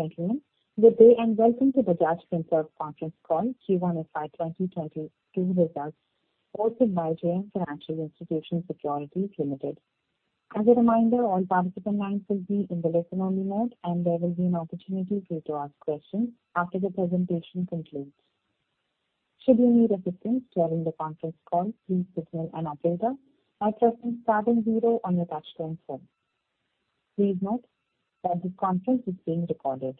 Ladies and gentlemen, good day and welcome to the Bajaj Finserv Conference Call Q1 FY 2022 Results, hosted by JM Financial Institutional Securities Limited. As a reminder, all participant lines will be in the listen only mode and there will be an opportunity for you to ask questions after the presentation concludes. Should you need assistance during the conference call, please signal an operator by pressing star and zero on your touchtone phone. Please note that this conference is being recorded.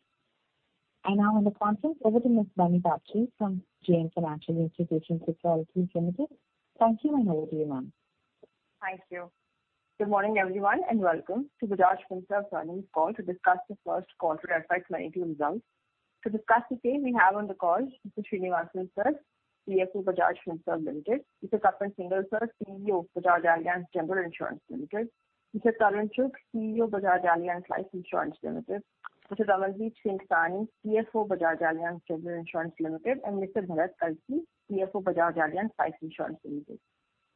Now on the conference, over to Ms. Bunny Babjee from JM Financial Institutional Securities Limited. Thank you, over to you, ma'am. Thank you. Good morning, everyone, and welcome to Bajaj Finserv Earnings Call to discuss the First Quarter FY 2020 Results. To discuss the same, we have on the call Mr. S. Sreenivasan Sir, CFO Bajaj Finserv Limited, Mr. Tapan Singhel, Sir, CEO Bajaj Allianz General Insurance Limited, Mr. Tarun Chugh, CEO Bajaj Allianz Life Insurance Limited, Mr. Ramandeep Singh Sahni, CFO Bajaj Allianz General Insurance Limited and Mr. Bharat Kalsi, CFO Bajaj Allianz Life Insurance Limited.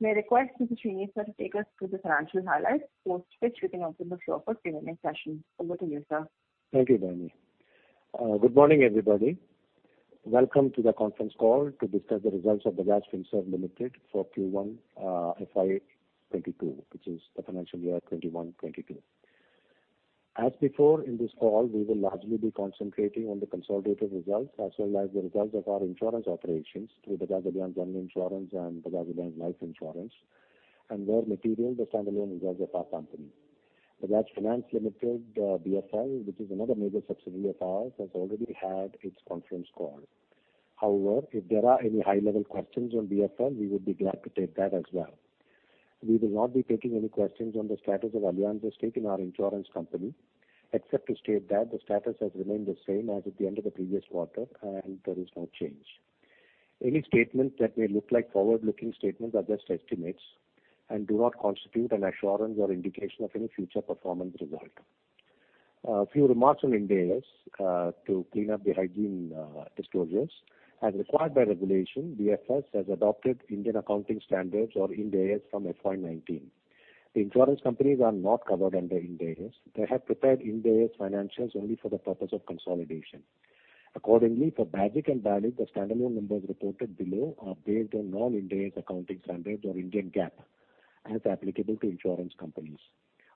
May I request Mr. S. Sreenivasan to take us through the financial highlights, post which we can open the floor for Q&A session. Over to you, sir. Thank you, Bunny. Good morning, everybody. Welcome to the conference call to discuss the results of Bajaj Finserv Limited for Q1 FY 2022, which is the financial year 2021/2022. As before, in this call, we will largely be concentrating on the consolidated results as well as the results of our insurance operations through Bajaj Allianz General Insurance and Bajaj Allianz Life Insurance, and where material, the standalone results of our company. Bajaj Finance Limited, BFL, which is another major subsidiary of ours, has already had its conference call. However, if there are any high-level questions on BFL, we would be glad to take that as well. We will not be taking any questions on the status of Allianz's stake in our insurance company, except to state that the status has remained the same as at the end of the previous quarter, and there is no change. Any statements that may look like forward-looking statements are just estimates and do not constitute an assurance or indication of any future performance result. A few remarks on Ind AS to clean up the hygiene disclosures. As required by regulation, BFS has adopted Indian Accounting Standards or Ind AS from FY 2019. The insurance companies are not covered under Ind AS. They have prepared Ind AS financials only for the purpose of consolidation. Accordingly, for BAGIC and BALIC, the standalone numbers reported below are based on non-Ind AS accounting standards or Indian GAAP as applicable to insurance companies.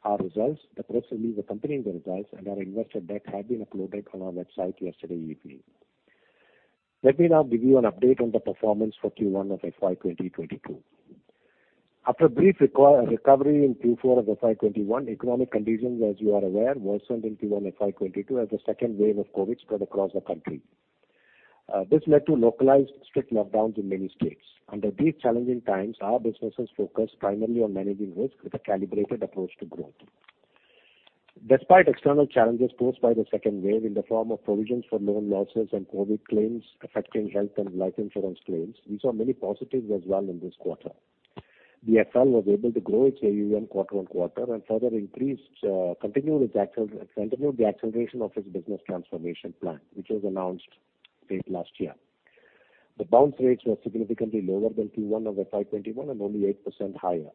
Our results, the press release accompanying the results, and our investor deck had been uploaded on our website yesterday evening. Let me now give you an update on the performance for Q1 of FY 2022. After a brief recovery in Q4 of FY 2021, economic conditions, as you are aware, worsened in Q1 FY 2022 as the second wave of COVID spread across the country. This led to localized strict lockdowns in many states. Under these challenging times, our businesses focused primarily on managing risk with a calibrated approach to growth. Despite external challenges posed by the second wave in the form of provisions for loan losses and COVID claims affecting health and life insurance claims, we saw many positives as well in this quarter. BFL was able to grow its AUM quarter-on-quarter and further continued the acceleration of its business transformation plan, which was announced late last year. The bounce rates were significantly lower than Q1 of FY 2021 and only 8% higher.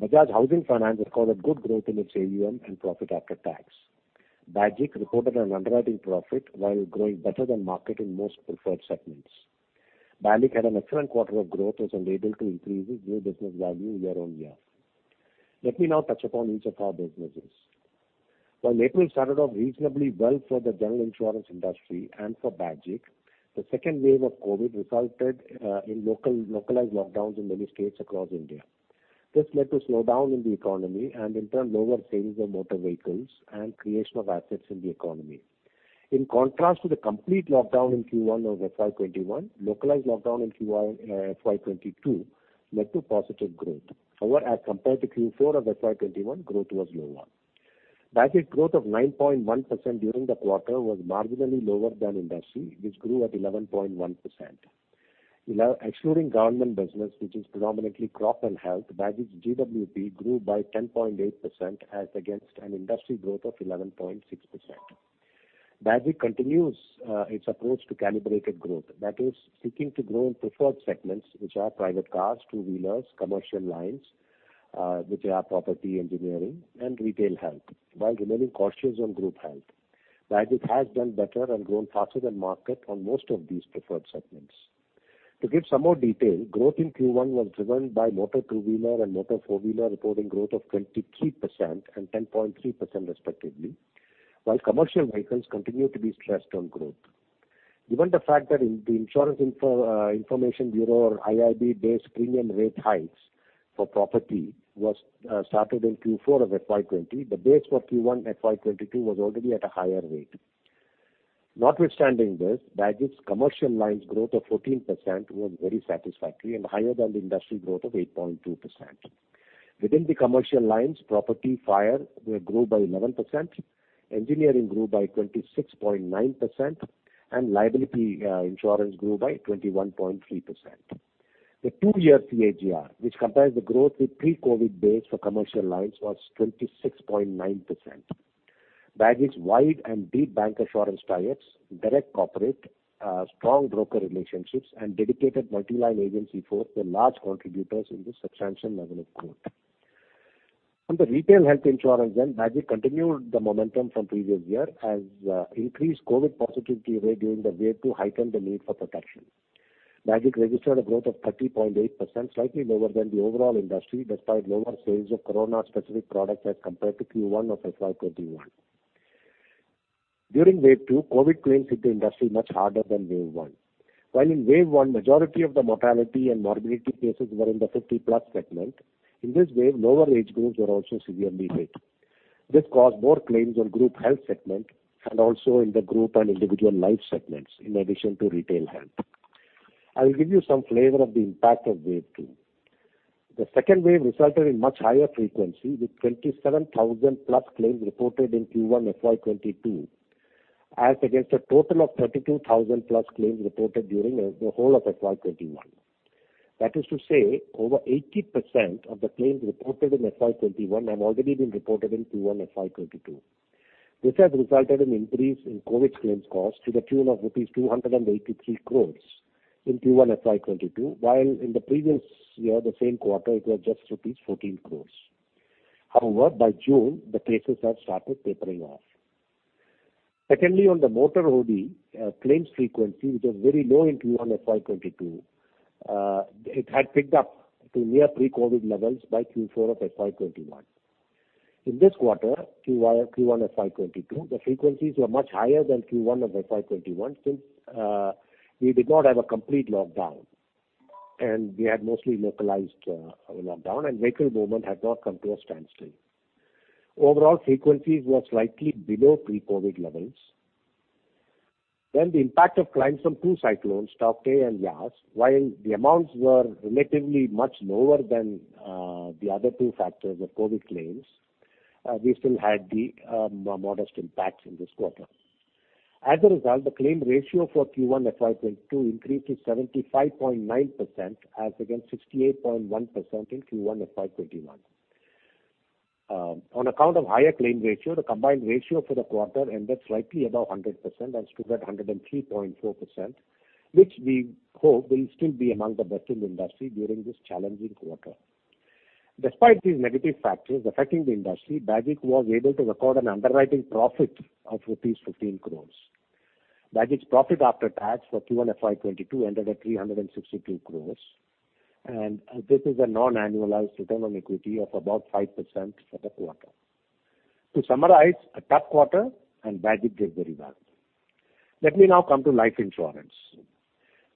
Bajaj Housing Finance recorded good growth in its AUM and profit after tax. BAGIC recorded an underwriting profit while growing better than market in most preferred segments. BAGIC had an excellent quarter of growth and was able to increase its new business value year-on-year. Let me now touch upon each of our businesses. April started off reasonably well for the general insurance industry and for BAGIC, the second wave of COVID resulted in localized lockdowns in many states across India. This led to slowdown in the economy and in turn lower sales of motor vehicles and creation of assets in the economy. In contrast to the complete lockdown in Q1 of FY 2021, localized lockdown in FY 2022 led to positive growth. As compared to Q4 of FY 2021, growth was lower. BAGIC growth of 9.1% during the quarter was marginally lower than industry, which grew at 11.1%. Excluding government business, which is predominantly crop and health, BAGIC's GWP grew by 10.8% as against an industry growth of 11.6%. BAGIC continues its approach to calibrated growth, that is, seeking to grow in preferred segments, which are private cars, two-wheelers, commercial lines which are property engineering and retail health, while remaining cautious on group health. BAGIC has done better and grown faster than market on most of these preferred segments. To give some more detail, growth in Q1 was driven by motor two-wheeler and motor four-wheeler reporting growth of 23% and 10.3% respectively, while commercial vehicles continued to be stressed on growth. Given the fact that the Insurance Information Bureau or IIB base premium rate hikes for property was started in Q4 of FY 2020, the base for Q1 FY 2022 was already at a higher rate. Notwithstanding this, BAGIC's commercial lines growth of 14% was very satisfactory and higher than the industry growth of 8.2%. Within the commercial lines, property fire grew by 11%, engineering grew by 26.9%, and liability insurance grew by 21.3%. The two-year CAGR, which compares the growth with pre-COVID base for commercial lines, was 26.9%. Bajaj's wide and deep bancassurance tie-ups, direct corporate strong broker relationships, and dedicated multi-line agency force were large contributors in this substantial level of growth. On the retail health insurance then, Bajaj continued the momentum from previous year as increased COVID positivity rate during the wave two heightened the need for protection. Bajaj registered a growth of 30.8%, slightly lower than the overall industry despite lower sales of corona specific products as compared to Q1 of FY 2021. During wave two, COVID claimed hit the industry much harder than wave one. While in wave one, majority of the mortality and morbidity cases were in the 50+ segment. In this wave, lower age groups were also severely hit. This caused more claims on group health segment and also in the group and individual life segments, in addition to retail health. I'll give you some flavor of the impact of wave two. The second wave resulted in much higher frequency, with 27,000+ claims reported in Q1 FY 2022 as against a total of 32,000+ claims reported during the whole of FY 2021. That is to say, over 80% of the claims reported in FY 2021 have already been reported in Q1 FY 2022. This has resulted in increase in COVID claims cost to the tune of rupees 283 crores in Q1 FY 2022 while in the previous year, the same quarter, it was just rupees 14 crores. However, by June, the cases had started tapering off. Secondly, on the motor OD claims frequency, which was very low in Q1 FY 2022, it had picked up to near pre-COVID levels by Q4 of FY 2021. In this quarter, Q1 FY 2022, the frequencies were much higher than Q1 of FY 2021 since we did not have a complete lockdown and we had mostly localized lockdown and vehicle movement had not come to a standstill. Overall frequencies were slightly below pre-COVID levels. The impact of claims from two cyclones, Tauktae and Yaas. While the amounts were relatively much lower than the other two factors of COVID claims, we still had the modest impacts in this quarter. As a result, the claim ratio for Q1 FY 2022 increased to 75.9% as against 68.1% in Q1 FY 2021. On account of higher claim ratio, the combined ratio for the quarter ended slightly above 100% and stood at 103.4%, which we hope will still be among the best in the industry during this challenging quarter. Despite these negative factors affecting the industry, Bajaj was able to record an underwriting profit of rupees 15 crores. Bajaj's profit after tax for Q1 FY 2022 ended at 362 crores, and this is a non-annualized return on equity of about 5% for the quarter. To summarize, a tough quarter and Bajaj did very well. Let me now come to life insurance.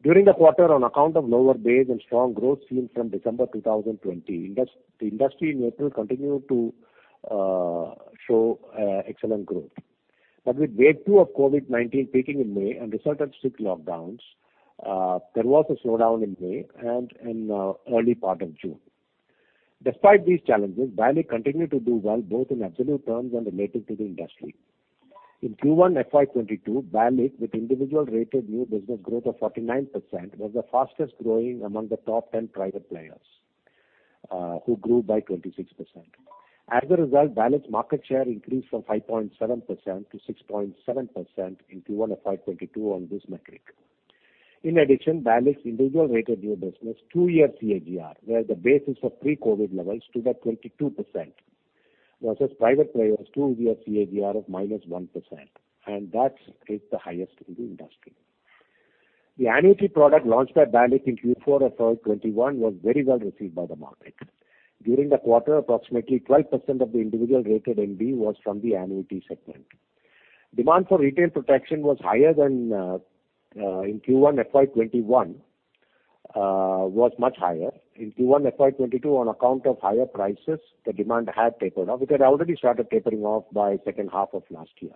During the quarter, on account of lower base and strong growth seen from December 2020, the industry in total continued to show excellent growth. With wave two of COVID-19 peaking in May and resultant strict lockdowns, there was a slowdown in May and in early part of June. Despite these challenges, Bajaj continued to do well both in absolute terms and relative to the industry. In Q1 FY 2022, Bajaj with individual rated new business growth of 49% was the fastest growing among the top 10 private players who grew by 26%. As a result, Bajaj's market share increased from 5.7% to 6.7% in Q1 of FY 2022 on this metric. Bajaj's individual rated new business two-year CAGR, where the basis of pre-COVID levels stood at 22% versus private players' two-year CAGR of -1%, and that is the highest in the industry. The annuity product launched by Bajaj in Q4 of FY 2021 was very well received by the market. During the quarter, approximately 12% of the individual rated NB was from the annuity segment. Demand for retail protection in Q1 FY 2021 was much higher. In Q1 FY2022, on account of higher prices, the demand had tapered off. It had already started tapering off by second half of last year.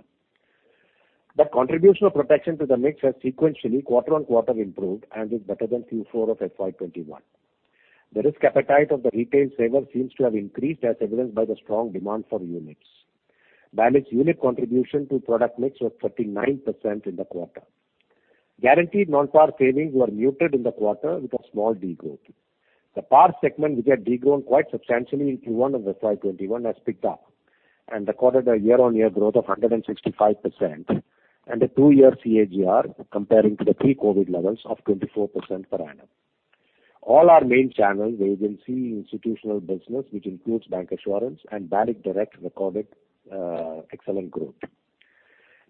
The contribution of protection to the mix has sequentially quarter-on-quarter improved and is better than Q4 of FY 2021. The risk appetite of the retail saver seems to have increased as evidenced by the strong demand for units. Bajaj's unit contribution to product mix was 39% in the quarter. Guaranteed non-par savings were muted in the quarter with a small degrowth. The par segment, which had degrown quite substantially in Q1 of FY 2021, has picked up and recorded a year-on-year growth of 165% and a two-year CAGR comparing to the pre-COVID levels of 24% per annum. All our main channels, agency, institutional business, which includes bancassurance and Bajaj Direct recorded excellent growth.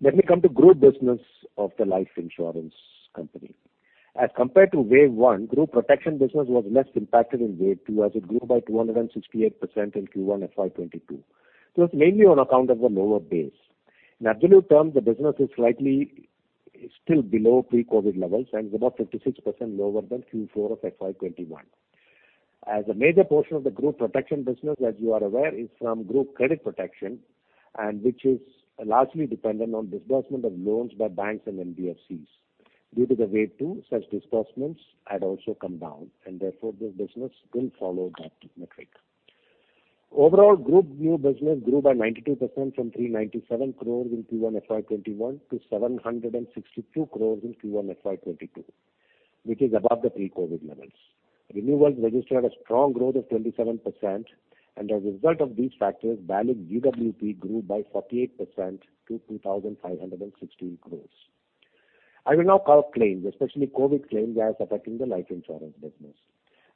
Let me come to group business of the life insurance company. Compared to wave one, group protection business was less impacted in wave two as it grew by 268% in Q1 FY 2022. This was mainly on account of the lower base. In absolute terms, the business is slightly still below pre-COVID levels and is about 56% lower than Q4 of FY 2021. A major portion of the group protection business, as you are aware, is from group credit protection and which is largely dependent on disbursement of loans by banks and NBFCs. Due to the wave two, such disbursements had also come down and therefore this business didn't follow that metric. Overall, group new business grew by 92% from 397 crores in Q1 FY 2021 to 762 crores in Q1 FY 2022, which is above the pre-COVID levels. Renewals registered a strong growth of 27%. As a result of these factors, BALIC GWP grew by 48% to 2,560 crores. I will now cover claims, especially COVID-19 claims, as affecting the life insurance business.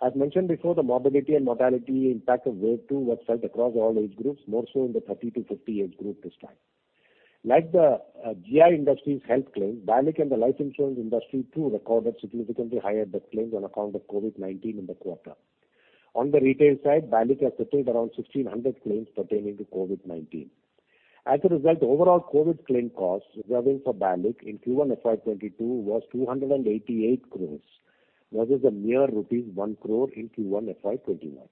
As mentioned before, the morbidity and mortality impact of wave two was felt across all age groups, more so in the 30-50 age group this time. Like the GI industry's health claim, BALIC and the life insurance industry too recorded significantly higher death claims on account of COVID-19 in the quarter. On the retail side, BALIC has settled around 1,600 claims pertaining to COVID-19. As a result, overall COVID-19 claim costs reserved for BALIC in Q1 FY 2022 was 288 crores, versus a mere rupees 1 crore in Q1 FY 2021.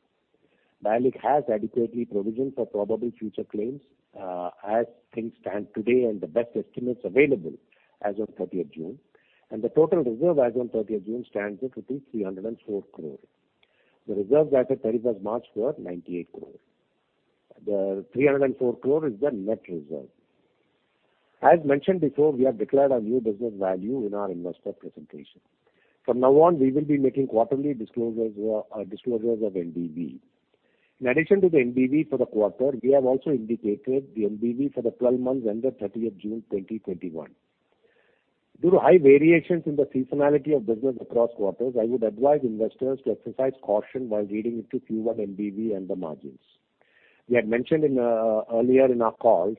BALIC has adequately provisioned for probable future claims as things stand today and the best estimates available as of June 30th. The total reserve as June 30th stands at rupees 304 crore. The reserves as at March 31st were 98 crore. The 304 crore is the net reserve. As mentioned before, we have declared our new business value in our investor presentation. From now on, we will be making quarterly disclosures of NBV. In addition to the NBV for the quarter, we have also indicated the NBV for the 12 months ended 30th June 2021. Due to high variations in the seasonality of business across quarters, I would advise investors to exercise caution while reading into Q1 NBV and the margins. We had mentioned earlier in our calls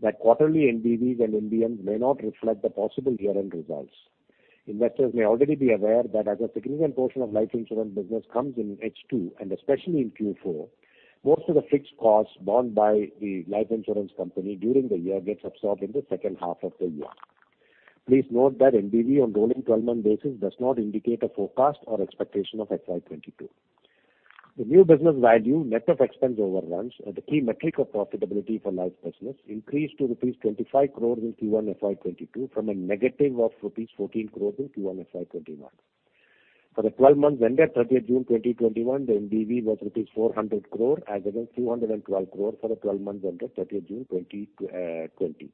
that quarterly NBVs and NBM may not reflect the possible year-end results. Investors may already be aware that as a significant portion of life insurance business comes in H2, and especially in Q4, most of the fixed costs borne by the life insurance company during the year gets absorbed in the second half of the year. Please note that NBV on rolling 12-month basis does not indicate a forecast or expectation of FY 2022. The new business value, net of expense overruns, the key metric of profitability for life business, increased to rupees 25 crore in Q1 FY 2022 from a negative of rupees 14 crore in Q1 FY 2021. For the 12 months ended June 30th, 2021, the NBV was rupees 400 crore as against 212 crore for the 12 months ended June 30th, 2020.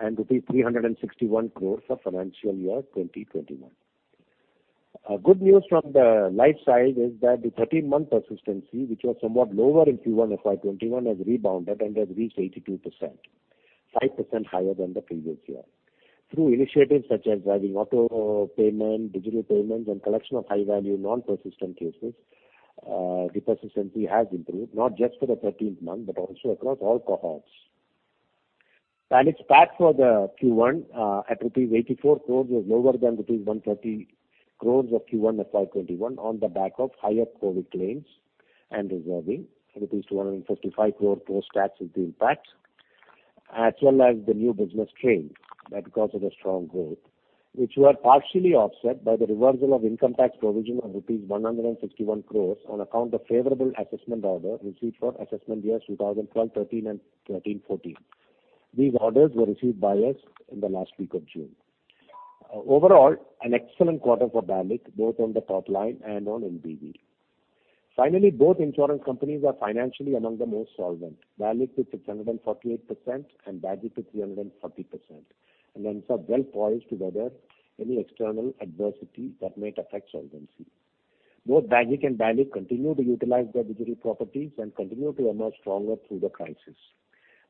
Rupees 361 crore for financial year 2021. Good news from the life side is that the 13-month persistency, which was somewhat lower in Q1 FY 2021, has rebounded and has reached 82%, 5% higher than the previous year. Through initiatives such as driving auto-payment, digital payments, and collection of high-value non-persistent cases, the persistency has improved not just for the 13th month, but also across all cohorts. BALIC PAT for the Q1 at rupees 84 crores was lower than rupees 130 crores of Q1 FY 2021 on the back of higher COVID claims and reserving, rupees 245 crore post-tax is the impact, as well as the new business claim because of the strong growth, which were partially offset by the reversal of income tax provision of rupees 161 crores on account of favorable assessment order received for assessment year 2012/2013 and 2013/2014. These orders were received by us in the last week of June. Overall, an excellent quarter for BALIC, both on the top line and on NBV. Finally, both insurance companies are financially among the most solvent. BALIC with 648% and BAGIC with 340%, and hence are well poised to weather any external adversity that may affect solvency. Both BAGIC and BALIC continue to utilize their digital properties and continue to emerge stronger through the crisis.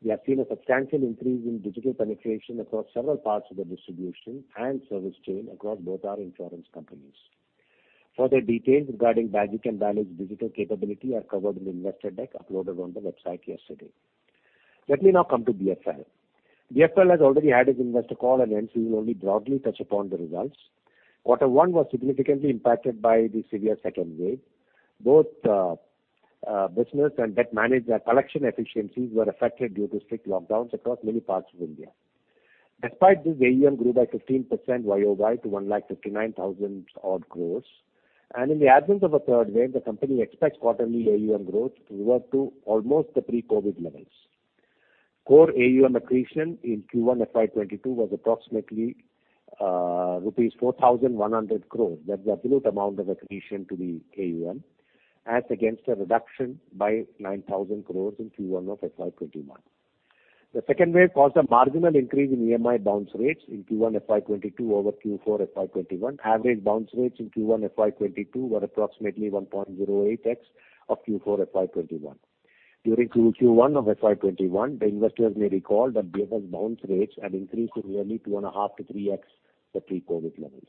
We have seen a substantial increase in digital penetration across several parts of the distribution and service chain across both our insurance companies. Further details regarding BAGIC and BALIC's digital capability are covered in the investor deck uploaded on the website yesterday. Let me now come to BFL. BFL has already had its investor call, and hence we will only broadly touch upon the results. Quarter one was significantly impacted by the severe second wave. Both business and debt collection efficiencies were affected due to strict lockdowns across many parts of India. Despite this, AUM grew by 15% YoY to 159,000 odd crore. In the absence of a third wave, the company expects quarterly AUM growth to revert to almost the pre-COVID levels. Core AUM accretion in Q1 FY 2022 was approximately rupees 4,100 crore. That's the absolute amount of accretion to the AUM as against a reduction by 9,000 crore in Q1 of FY 2021. The second wave caused a marginal increase in EMI bounce rates in Q1 FY 2022 over Q4 FY 2021. Average bounce rates in Q1 FY2022 were approximately 1.08x of Q4 FY 2021. During Q1 of FY 2021, the investors may recall that BFL's bounce rates had increased to nearly 2.5x-3x the pre-COVID levels.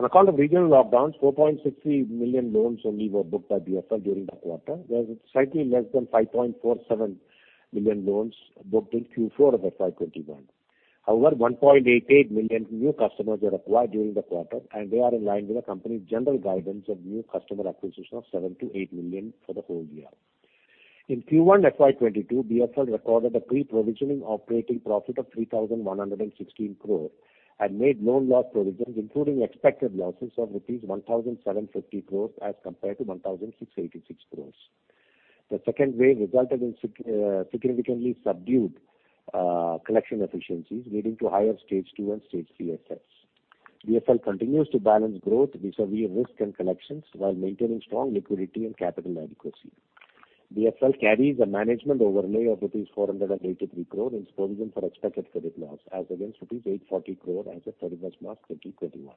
On account of regional lockdowns, 4.63 million loans only were booked by BFL during the quarter. That was slightly less than 5.47 million loans booked in Q4 of FY 2021. However, 1.88 million new customers were acquired during the quarter, and they are in line with the company's general guidance of new customer acquisition of 7 million-8 million for the whole year. In Q1 FY 2022, BFL recorded a pre-provisioning operating profit of 3,116 crore and made loan loss provisions, including expected losses of rupees 1,750 crore as compared to 1,686 crore. The second wave resulted in significantly subdued collection efficiencies, leading to higher Stage 2 and Stage 3 assets. BFL continues to balance growth vis-à-vis risk and collections while maintaining strong liquidity and capital adequacy. BFL carries a management overlay of rupees 483 crore in provision for expected credit loss, as against rupees 840 crore as of March 31st, 2021.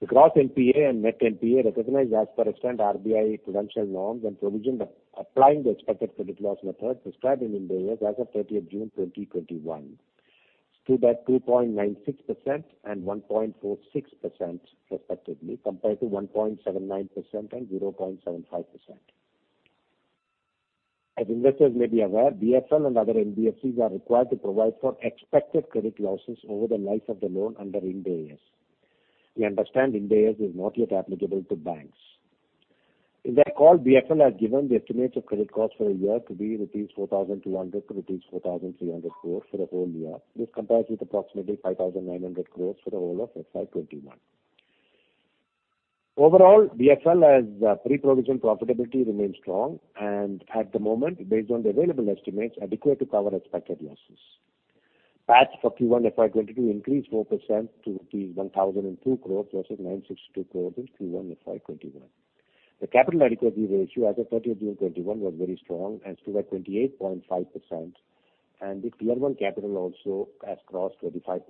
The gross NPA and net NPA recognized as per extant RBI prudential norms and provision applying the expected credit loss method prescribed in Ind AS as of June 30th, 2021, stood at 2.96% and 1.46% respectively, compared to 1.79% and 0.75%. As investors may be aware, BFL and other NBFCs are required to provide for expected credit losses over the life of the loan under Ind AS. We understand Ind AS is not yet applicable to banks. In their call, BFL has given the estimates of credit cost for a year to be 4,200 crore-4,300 crore for the whole year. This compares with approximately 5,900 crore for the whole of FY 2021. Overall, BFL has pre-provision profitability remain strong and at the moment, based on the available estimates, adequate to cover expected losses. PAT for Q1 FY 2022 increased 4% to rupees 1,002 crores versus 962 crores in Q1 FY 2021. The capital adequacy ratio as of June 30th, 2021, was very strong and stood at 28.5%, and the Tier 1 capital also has crossed 25%.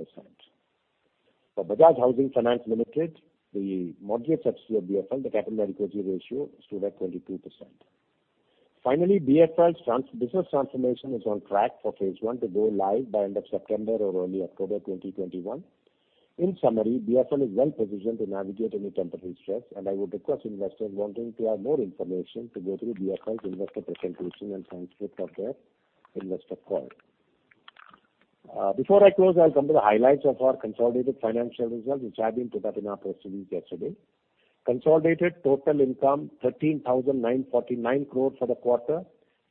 For Bajaj Housing Finance Limited, the mortgage subsidiary of BFL, the capital adequacy ratio stood at 22%. BFL's business transformation is on track for phase 1 to go live by end of September or early October 2021. In summary, BFL is well-positioned to navigate any temporary stress, and I would request investors wanting to have more information to go through BFL's investor presentation and transcript of their investor call. Before I close, I'll come to the highlights of our consolidated financial results, which have been put up in our press release yesterday. Consolidated total income 13,949 crore for the quarter,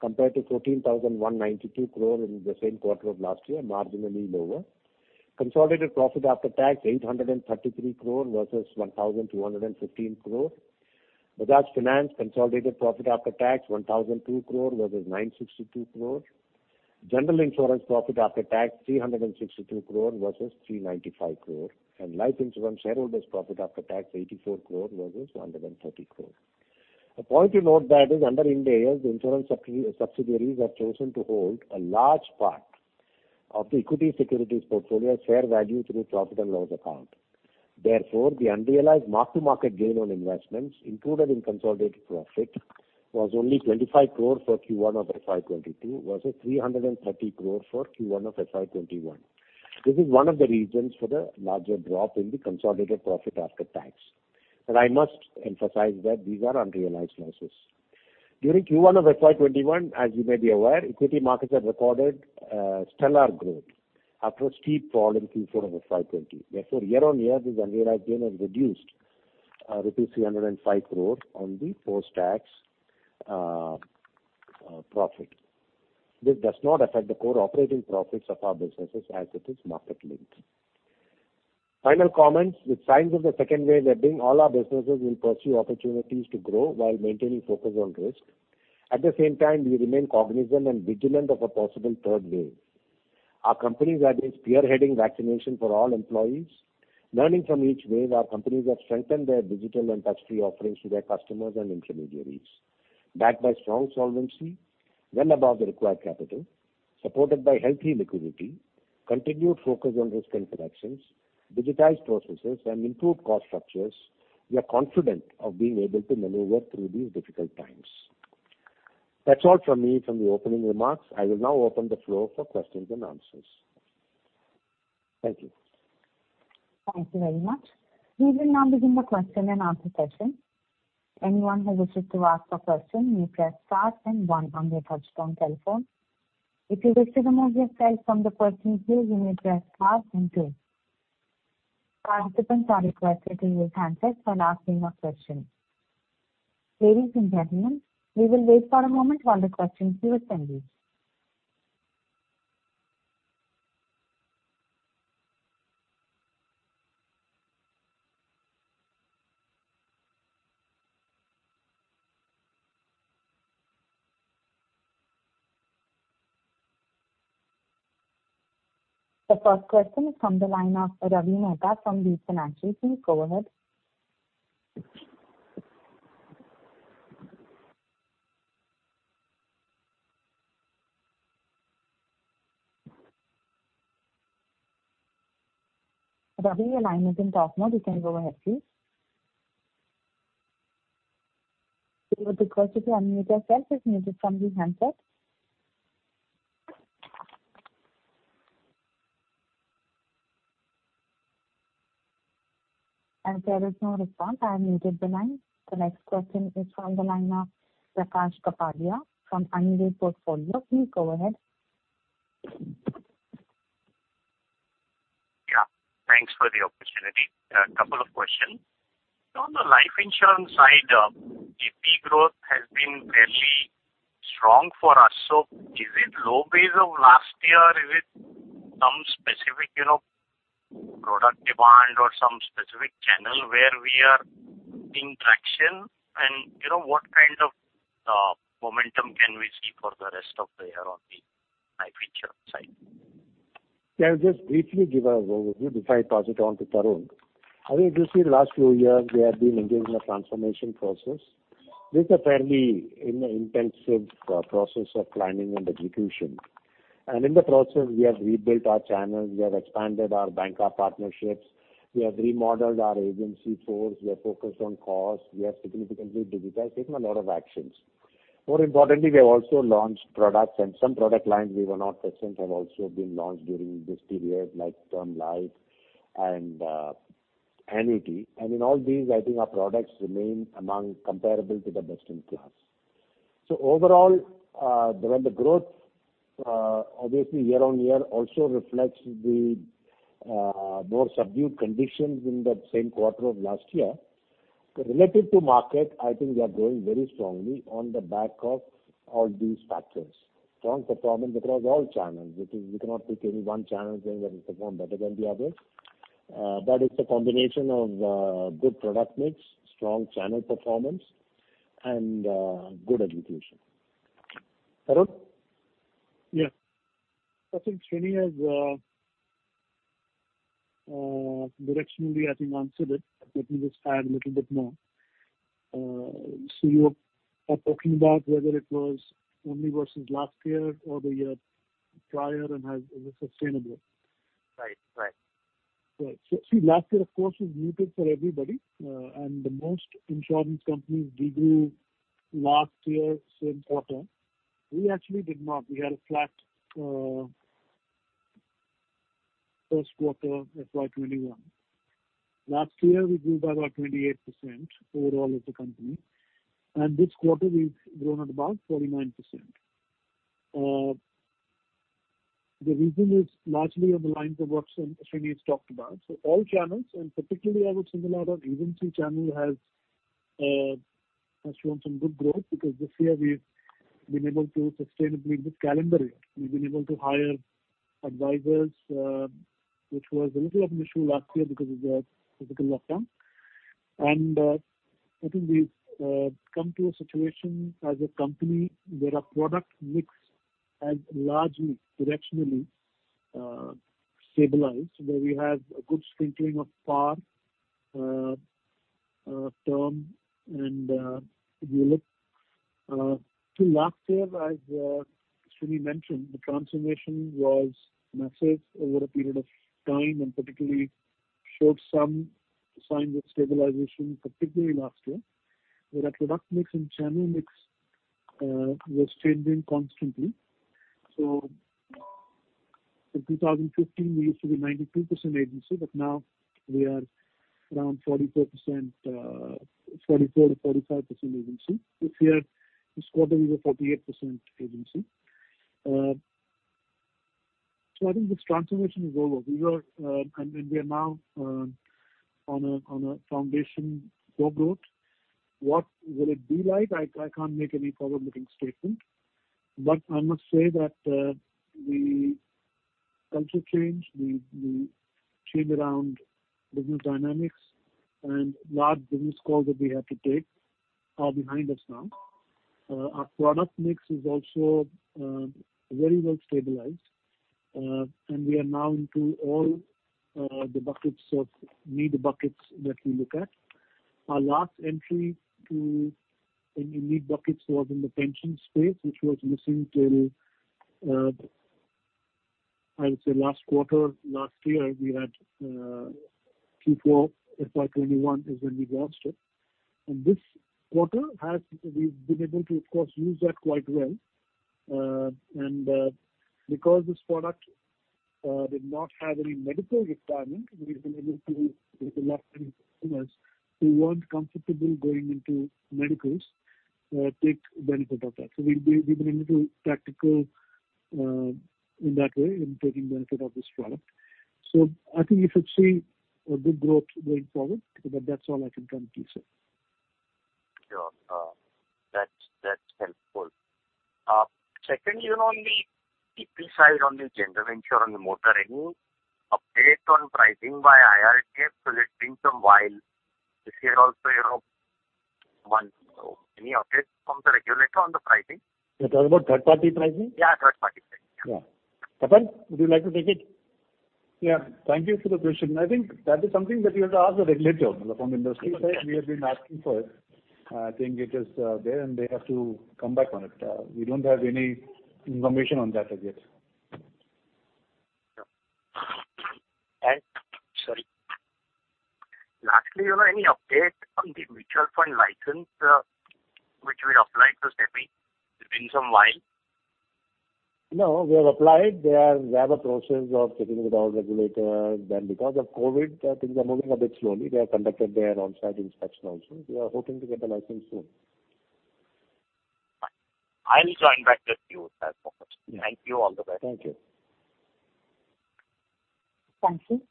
compared to 14,192 crore in the same quarter of last year, marginally lower. Consolidated profit after tax 833 crore versus 1,215 crore. Bajaj Finance consolidated profit after tax 1,002 crore versus 962 crore. General Insurance profit after tax 362 crore versus 395 crore, and Life Insurance shareholders' profit after tax 84 crore versus 130 crore. A point to note that is under Ind AS, the insurance subsidiaries have chosen to hold a large part of the equity securities portfolio fair value through profit and loss account. Therefore, the unrealized mark-to-market gain on investments included in consolidated profit was only 25 crore for Q1 of FY 2022 versus 330 crore for Q1 of FY 2021. This is one of the reasons for the larger drop in the consolidated profit after tax, and I must emphasize that these are unrealized losses. During Q1 of FY 2021, as you may be aware, equity markets had recorded stellar growth after a steep fall in Q4 of FY 2020. Year-on-year, this unrealized gain has reduced rupees 305 crore on the post-tax profit. This does not affect the core operating profits of our businesses as it is market-linked. Final comments. With signs of the second wave ebbing, all our businesses will pursue opportunities to grow while maintaining focus on risk. At the same time, we remain cognizant and vigilant of a possible third wave. Our companies are spearheading vaccination for all employees. Learning from each wave, our companies have strengthened their digital and touch-free offerings to their customers and intermediaries. Backed by strong solvency, well above the required capital, supported by healthy liquidity, continued focus on risk interactions, digitized processes, and improved cost structures, we are confident of being able to maneuver through these difficult times. That's all from me from the opening remarks. I will now open the floor for questions and answers. Thank you. Thank you very much. We will now begin the question and answer session. Anyone who wishes to ask a question may press star then one on their touchtone telephone. If you wish to remove yourself from the question queue, you may press star then two. Participants are requested to use handsets when asking a question. Ladies and gentlemen, we will wait for a moment while the questions queue is tended. The first question is from the line of Ravi Mehta from RBL Financial. Please go ahead. Ravi, your line is in talk mode. You can go ahead, please. We would request you to unmute yourself. It's muted from the handset. As there is no response, I muted the line. The next question is from the line of Prakash Kapadia from Anived Portfolio. Please go ahead. Yeah. Thanks for the opportunity. A couple of questions. On the life insurance side, GWP growth has been fairly strong for us. Is it low base of last year? Is it some specific product demand or some specific channel where we are seeing traction? What kind of momentum can we see for the rest of the year on the life insurance side? I'll just briefly give an overview before I pass it on to Tarun. The last few years we have been engaged in a transformation process. This is a fairly intensive process of planning and execution. In the process, we have rebuilt our channels, we have expanded our banca partnerships, we have remodeled our agency force, we are focused on cost, we have significantly digitized, taken a lot of actions. More importantly, we have also launched products and some product lines we were not present have also been launched during this period, like term life and annuity. In all these, our products remain among comparable to the best in class. Overall, the growth obviously year-on-year also reflects the more subdued conditions in that same quarter of last year. Relative to market, I think we are growing very strongly on the back of all these factors. Strong performance across all channels. We cannot pick any one channel saying that it performed better than the other. It's a combination of good product mix, strong channel performance, and good execution. Tarun? Yeah. I think Sreeni has directionally, I think, answered it. Let me just add a little bit more. You are talking about whether it was only versus last year or the year prior and is it sustainable? Right. Right. Last year, of course, was muted for everybody. Most insurance companies redo last year's same quarter. We actually did not. We had a flat first quarter FY 2021. Last year we grew by about 28% overall as a company. This quarter we've grown at about 49%. The reason is largely on the lines of what Sreeni's talked about. All channels, and particularly I would say a lot of agency channel has shown some good growth because this year we've been able to sustainably, this calendar year, we've been able to hire advisors, which was a little of an issue last year because of the physical lockdown. I think we've come to a situation as a company where our product mix has largely directionally stabilized, where we have a good sprinkling of par, term, and if you look to last year as Sreeni mentioned, the transformation was massive over a period of time, and particularly showed some signs of stabilization, particularly last year. Where our product mix and channel mix was changing constantly. In 2015, we used to be 92% agency, but now we are around 44%-45% agency. This quarter we were 48% agency. I think this transformation is over. We are now on a foundation for growth. What will it be like? I can't make any forward-looking statement. I must say that the culture change, the change around business dynamics and large business calls that we had to take are behind us now. Our product mix is also very well stabilized. We are now into all the buckets of need buckets that we look at. Our last entry in the need buckets was in the pension space, which was missing till, I would say last quarter, last year we had Q1 FY 2021 is when we launched it. This quarter we've been able to, of course, use that quite well. Because this product did not have any medical requirement, we've been able to get a lot many customers who weren't comfortable going into medicals take benefit of that. We've been able to tactical in that way in taking benefit of this product. I think you should see a good growth going forward. That's all I can come to you, sir. Sure. That's helpful. Secondly, on the TP side, on the general insurance, on the motor, any update on pricing by IRDAI so that it brings some while this year also one. Any update from the regulator on the pricing? You're talking about third-party pricing? Yeah, third-party pricing. Yeah. Tapan, would you like to take it? Yeah, thank you for the question. I think that is something that you have to ask the regulator. From industry side, we have been asking for it. I think it is there and they have to come back on it. We don't have any information on that as yet. Sorry. Lastly, any update on the mutual fund license which we applied to SEBI? It's been some while. No, we have applied. They have a process of sitting with our regulator. Because of COVID, things are moving a bit slowly. They have conducted their onsite inspection also. We are hoping to get the license soon. I'll join back the queue with that focus. Yeah. Thank you. All the best. Thank you. Thank you.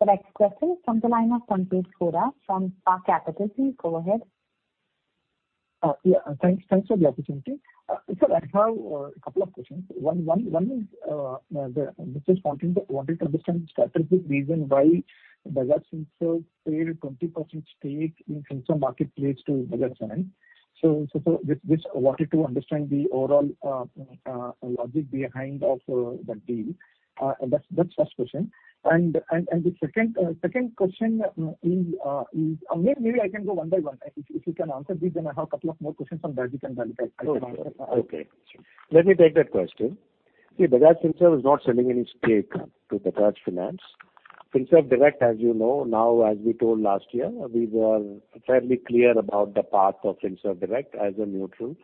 The next question is from the line of Sanketh Godha from Spark Capital. Please go ahead. Yeah. Thanks for the opportunity. Sir, I have a couple of questions. One. Just wanted to understand the strategic reason why Bajaj Finserv sold a 20% stake in Finserv Marketplace to Bajaj Finance. Just wanted to understand the overall logic behind that deal. That's first question. The second question is Maybe I can go one by one. If you can answer these, I have a couple of more questions on Bajaj and Bajaj Finance. Okay. Let me take that question. Bajaj Finserv is not selling any stake to Bajaj Finance. Finserv Direct, as you know now, as we told last year, we were fairly clear about the path of Finserv Direct as a neutral,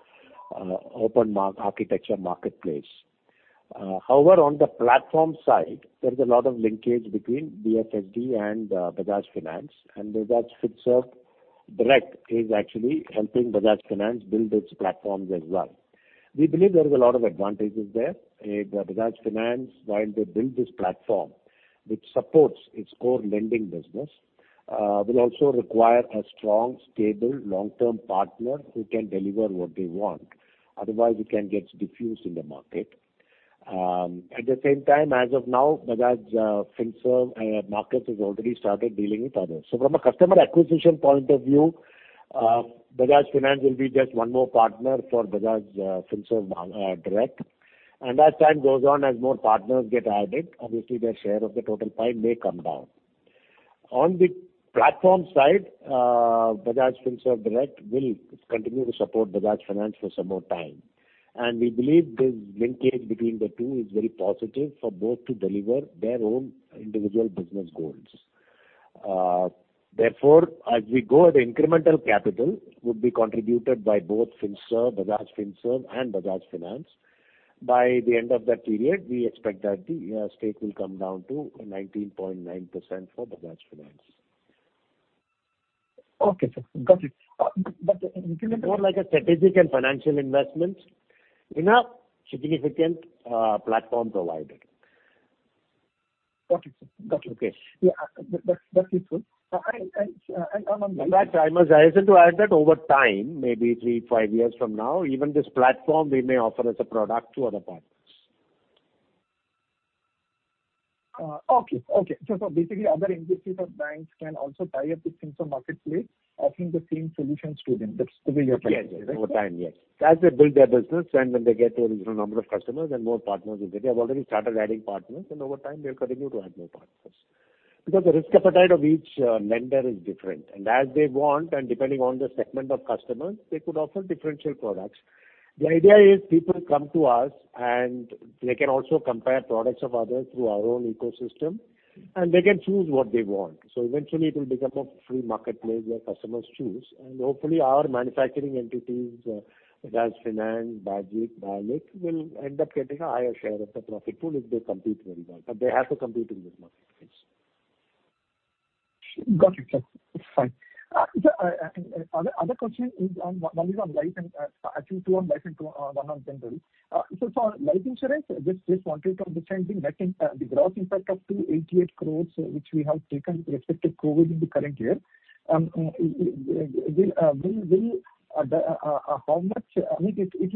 open architecture marketplace. On the platform side, there is a lot of linkage between BFSD and Bajaj Finance, and Bajaj Finserv Direct is actually helping Bajaj Finance build its platforms as well. We believe there is a lot of advantages there. Bajaj Finance, while they build this platform which supports its core lending business, will also require a strong, stable, long-term partner who can deliver what they want. Otherwise, it can get diffused in the market. At the same time, as of now, Bajaj Finserv Markets has already started dealing with others. From a customer acquisition point of view, Bajaj Finance will be just 1 more partner for Bajaj Finserv Direct. As time goes on, as more partners get added, obviously their share of the total pie may come down. On the platform side, Bajaj Finserv Direct will continue to support Bajaj Finance for some more time. We believe this linkage between the two is very positive for both to deliver their own individual business goals. Therefore, as we go, the incremental capital would be contributed by both Finserv, Bajaj Finserv and Bajaj Finance. By the end of that period, we expect that the stake will come down to 19.9% for Bajaj Finance. Okay, sir. Got it. More like a strategic and financial investment in a significant platform provider. Got it, sir. Okay. Yeah, that's useful. I understand. In fact, I must hasten to add that over time, maybe three-five years from now, even this platform, we may offer as a product to other partners. Okay. basically other entities or banks can also tie up with Finserv Markets, offering the same solutions to them. That's to be your plan, right? Yes. Over time, yes. As they build their business and when they get a reasonable number of customers, then more partners will get in. They've already started adding partners. Over time they'll continue to add more partners. Because the risk appetite of each lender is different, as they want, and depending on the segment of customers, they could offer differential products. The idea is people come to us. They can also compare products of others through our own ecosystem. They can choose what they want. Eventually it will become a free marketplace where customers choose. Hopefully our manufacturing entities, Bajaj Finance, Bajaj, BALIC, will end up getting a higher share of the profit pool if they compete very well. They have to compete in this marketplace. Got it, sir. Fine. Other question is actually two on life and one on general. For life insurance, just wanted to understand the net impact, the gross impact up to 288 crore which we have taken with respect to COVID in the current year. It will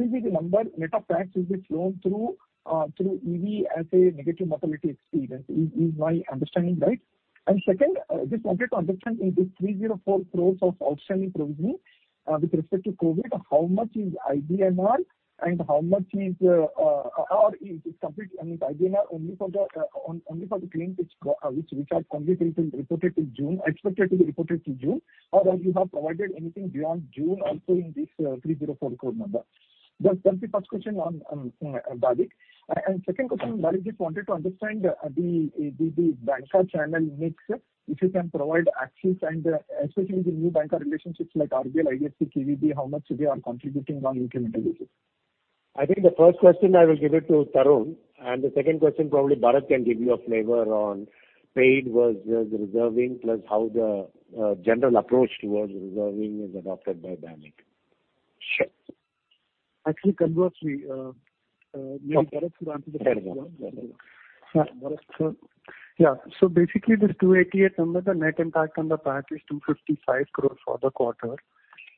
be the number net of tax will be flown through EV as a negative mortality experience, is my understanding right? Second, just wanted to understand in this 304 crore of outstanding provisioning with respect to COVID, how much is IBNR or is it complete IBNR only for the claims which are completely reported in June, expected to be reported in June? Else you have provided anything beyond June also in this 304 crore number. That's the first question on BAGIC. Second question, I just wanted to understand the banca channel mix, if you can provide Axis Bank and especially the new banker relationships like RBL, IFB, KVB, how much they are contributing on incremental basis. I think the first question I will give it to Tarun, and the second question probably Bharat can give you a flavor on paid versus reserving, plus how the general approach towards reserving is adopted by BAGIC. Sure. Actually, conversely, may Bharat answer the first one. Fair enough. Yeah. Basically this 288 number, the net impact on the PAT is 255 crore for the quarter.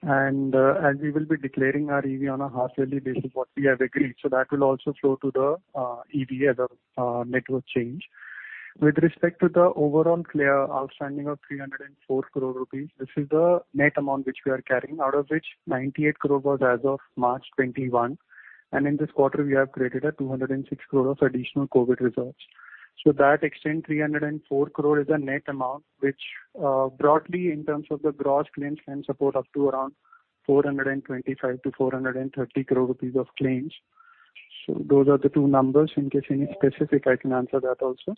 As we will be declaring our EV on a half yearly basis what we have agreed, that will also flow to the EV as a net worth change. With respect to the overall outstanding of 304 crore rupees, this is the net amount which we are carrying, out of which 98 crore was as of March 2021. In this quarter we have created a 206 crore of additional COVID reserves. That extent, 304 crore is the net amount which broadly in terms of the gross claims can support up to around 425 crore-430 crore rupees of claims. Those are the two numbers. In case any specific I can answer that also.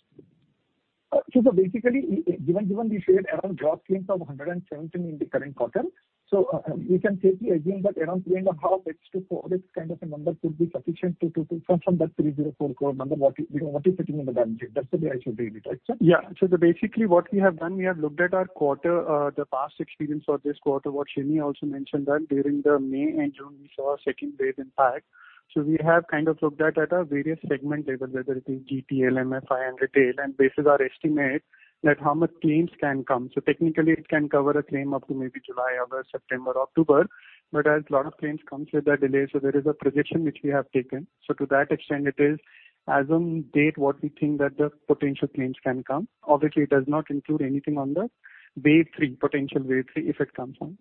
Basically, given the said around gross claims of 117 in the current quarter, so we can safely assume that around claim of 0.5x-4x kind of a number could be sufficient from that 304 crore number what you're sitting on the balance sheet. That's the way I should read it, right, sir? Yeah. Basically what we have done, we have looked at our quarter, the past experience for this quarter, what Sreeni also mentioned that during the May and June we saw Second Wave impact. We have kind of looked at our various segment level, whether it is GTL, MFI, and retail, and this is our estimate that how much claims can come. Technically it can cover a claim up to maybe July or September, October, but as lot of claims comes with a delay, there is a projection which we have taken. To that extent it is as on date what we think that the potential claims can come. Obviously, it does not include anything on the wave three, potential wave three if it comes on.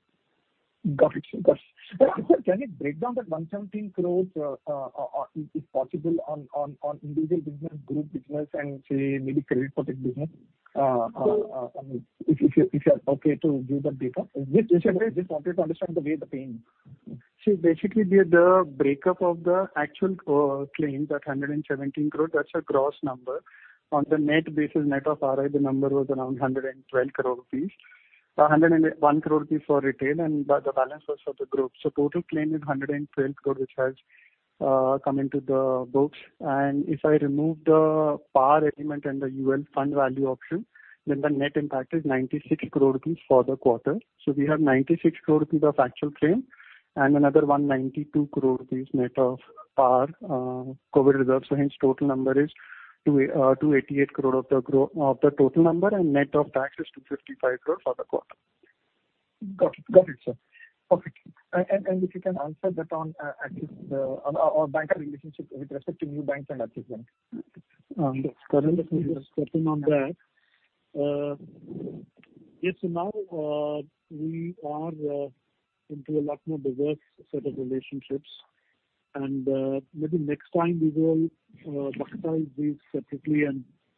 Got it. Sir, can you break down that 117 crores, if possible, on individual business, group business, and say maybe credit protect business? If you are okay to give that data. Just wanted to understand the way the pain. Basically, the breakup of the actual claim, that 117 crore, that is a gross number. On the net basis, net of RI, the number was around 112 crore rupees. 101 crore rupees for retail and the balance was for the group. Total claim is 112 crore, which has come into the books. If I remove the PAR element and the UL fund value option, then the net impact is 96 crore rupees for the quarter. We have 96 crore rupees of actual claim and another 192 crore rupees net of PAR COVID reserve. Hence total number is 288 crore of the total number and net of tax is 255 crore for the quarter. Got it, sir. Perfect. If you can answer that on our banca relationship with respect to new banks and Axis Bank. On that. Yes. Now we are into a lot more diverse set of relationships and maybe next time we will bucketize these separately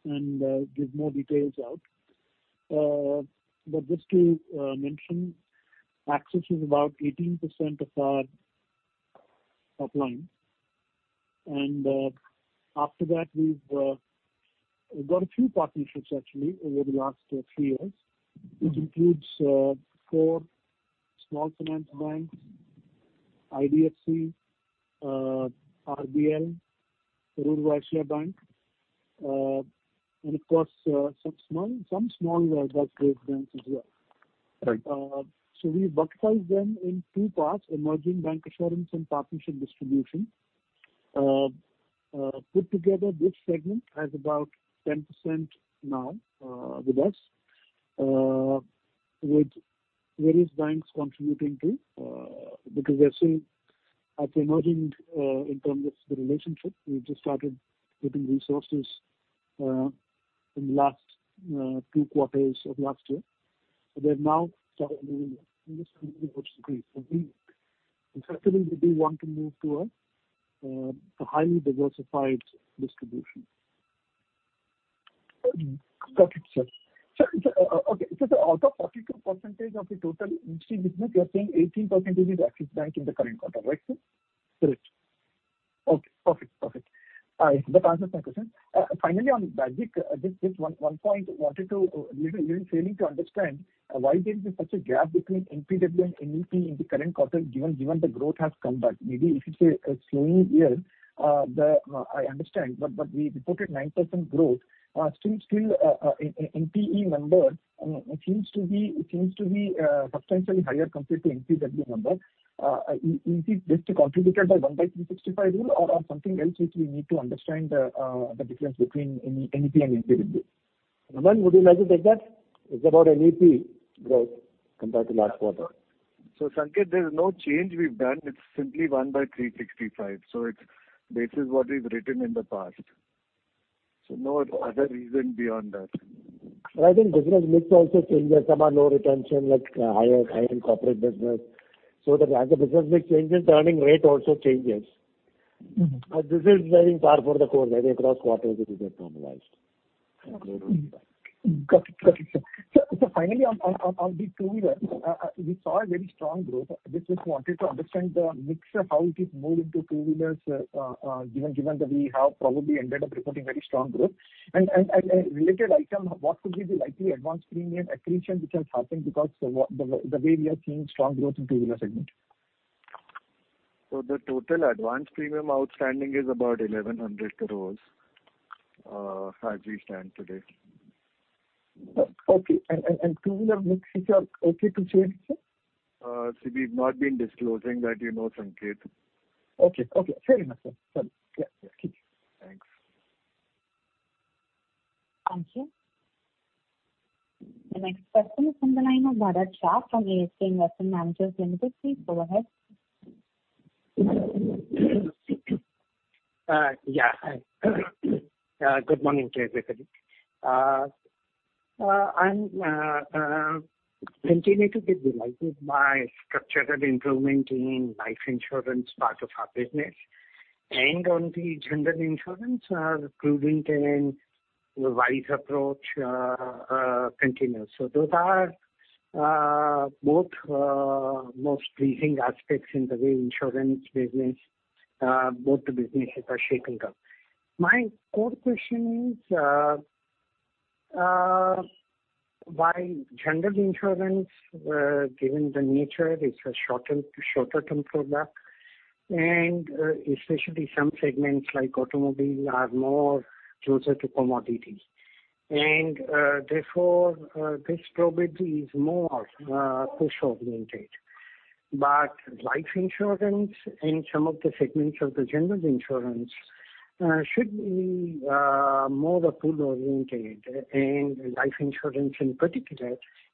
and give more details out. Just to mention, Axis Bank is about 18% of our top line. After that, we've got a few partnerships actually over the last three years, which includes four small finance banks, IDFC First Bank, RBL Bank, Karur Vysya Bank and of course, some small wealth grade banks as well. Right. We bucketize them in two parts, emerging bancassurance and partnership distribution. Put together this segment has about 10% now with us with various banks contributing too because they're still emerging in terms of the relationship. We've just started getting resources in the last two quarters of last year. They've now started moving and certainly we do want to move towards a highly diversified distribution. Got it, sir. Out of 42% of the total industry business, you're saying 18% is Axis Bank in the current quarter, right, sir? Correct. Okay, perfect. That answers my question. On BAGIC, just one point. A little failing to understand why there is such a gap between NPW and NEP in the current quarter, given the growth has come back. Maybe if it's a slower year, I understand. We reported 9% growth. NEP number seems to be substantially higher compared to NPW number. Is it just contributed by one by 365 rule or something else which we need to understand the difference between NEP and NPW? Raman, would you like to take that? It's about NEP growth compared to last quarter. Sanketh, there's no change we've done. It's simply 1:365. It's based on what we've written in the past. No other reason beyond that. I think business mix also changes. Some are low retention, like higher corporate business. As the business mix changes, earning rate also changes. This is very far for the quarter. Maybe across quarters it will get normalized. Got it, sir. Finally on the two-wheeler, we saw a very strong growth. Just wanted to understand the mix of how it is moving to two-wheelers given that we have probably ended up reporting very strong growth. A related item, what could be the likely advance premium accretion which has happened because the way we are seeing strong growth in two-wheeler segment? The total advance premium outstanding is about 1,100 crores as we stand today. Okay. Two-wheeler mix, if you are okay to share it, sir? See, we've not been disclosing that, you know, Sanketh. Okay. Fair enough, sir. Sorry. Yeah. Thank you. Thank you. The next question is from the line of Bharat Shah from ASK Investment Managers Limited. Please go ahead. Yeah. Hi. Good morning to everybody. I'm continuing to be delighted by structural improvement in life insurance part of our business and on the general insurance are proving to a wise approach continuous. Those are both most pleasing aspects in the way insurance business, both the businesses are shaping up. My core question is why general insurance given the nature is a shorter term product and especially some segments like automobile are more closer to commodities and therefore this probably is more push oriented. Life insurance and some of the segments of the general insurance should be more pull oriented and life insurance in particular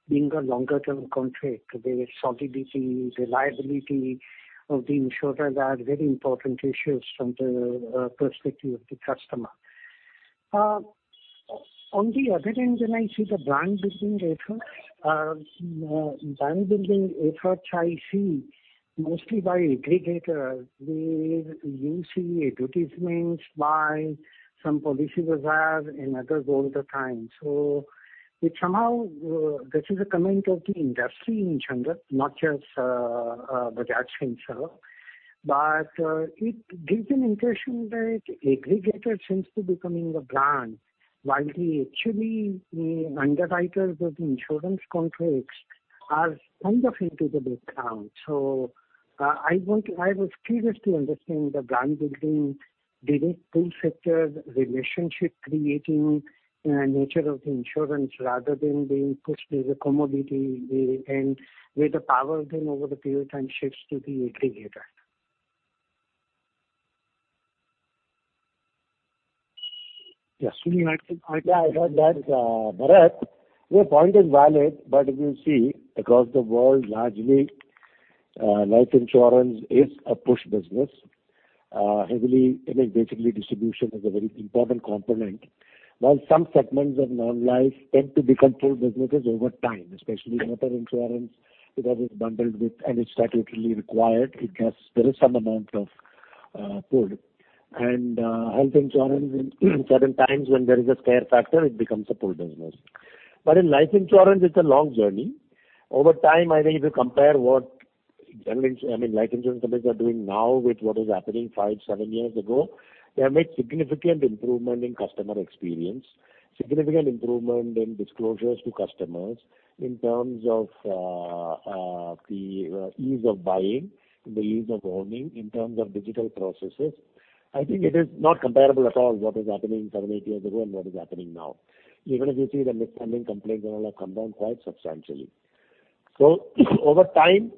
being a longer-term contract, the solidity, reliability of the insurer are very important issues from the perspective of the customer. On the other end, when I see the brand building effort, I see mostly by aggregators. We see advertisements by some Policybazaar and others all the time. It somehow, this is a comment of the industry in general, not just Bajaj Finserv, but it gives an impression that aggregators seems to be becoming the brand, while actually the underwriters of insurance contracts are kind of into the background. I was curious to understand the brand building direct pull factor, relationship creating nature of the insurance rather than being pushed as a commodity, and where the power then over the period time shifts to the aggregator. Yeah, I heard that. Bharat, your point is valid, If you see across the world, largely, life insurance is a push business. Basically, distribution is a very important component. While some segments of non-life tend to become pull businesses over time, especially motor insurance, because it's bundled with and it's statutorily required, there is some amount of pull. Health insurance in certain times when there is a scare factor, it becomes a pull business. In life insurance, it's a long journey. Over time, I think if you compare what life insurance companies are doing now with what was happening five, seven years ago, they have made significant improvement in customer experience, significant improvement in disclosures to customers in terms of the ease of buying, the ease of owning, in terms of digital processes. I think it is not comparable at all what was happening seven, eight years ago and what is happening now. Even if you see the misunderstanding complaints and all have come down quite substantially. Over time,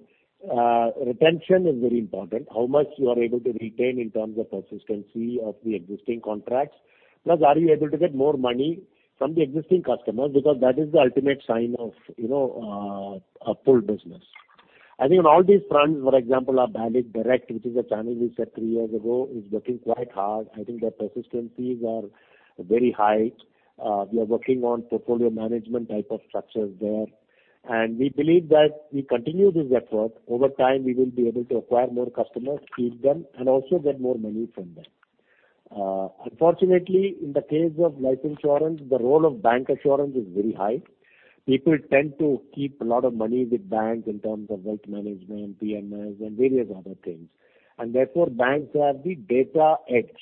retention is very important. How much you are able to retain in terms of persistency of the existing contracts. Plus, are you able to get more money from the existing customers? Because that is the ultimate sign of a pull business. I think on all these fronts, for example, our Bajaj Direct, which is a channel we set three years ago, is working quite hard. I think their persistency's are very high. We are working on portfolio management type of structures there. We believe that we continue this effort. Over time, we will be able to acquire more customers, keep them, and also get more money from them. Unfortunately, in the case of life insurance, the role of bancassurance is very high. People tend to keep a lot of money with banks in terms of wealth management, PMS, and various other things. Therefore, banks have the data edge.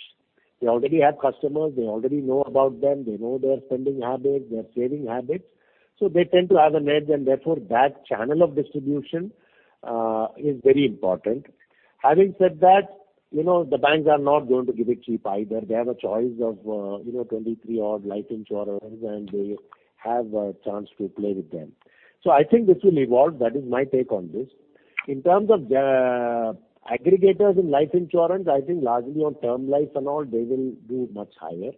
They already have customers. They already know about them. They know their spending habits, their saving habits. They tend to have an edge, and therefore, that channel of distribution is very important. Having said that, the banks are not going to give it cheap either. They have a choice of 23 odd life insurances, and they have a chance to play with them. I think this will evolve. That is my take on this. In terms of the aggregators in life insurance, I think largely on term life and all, they will do much higher.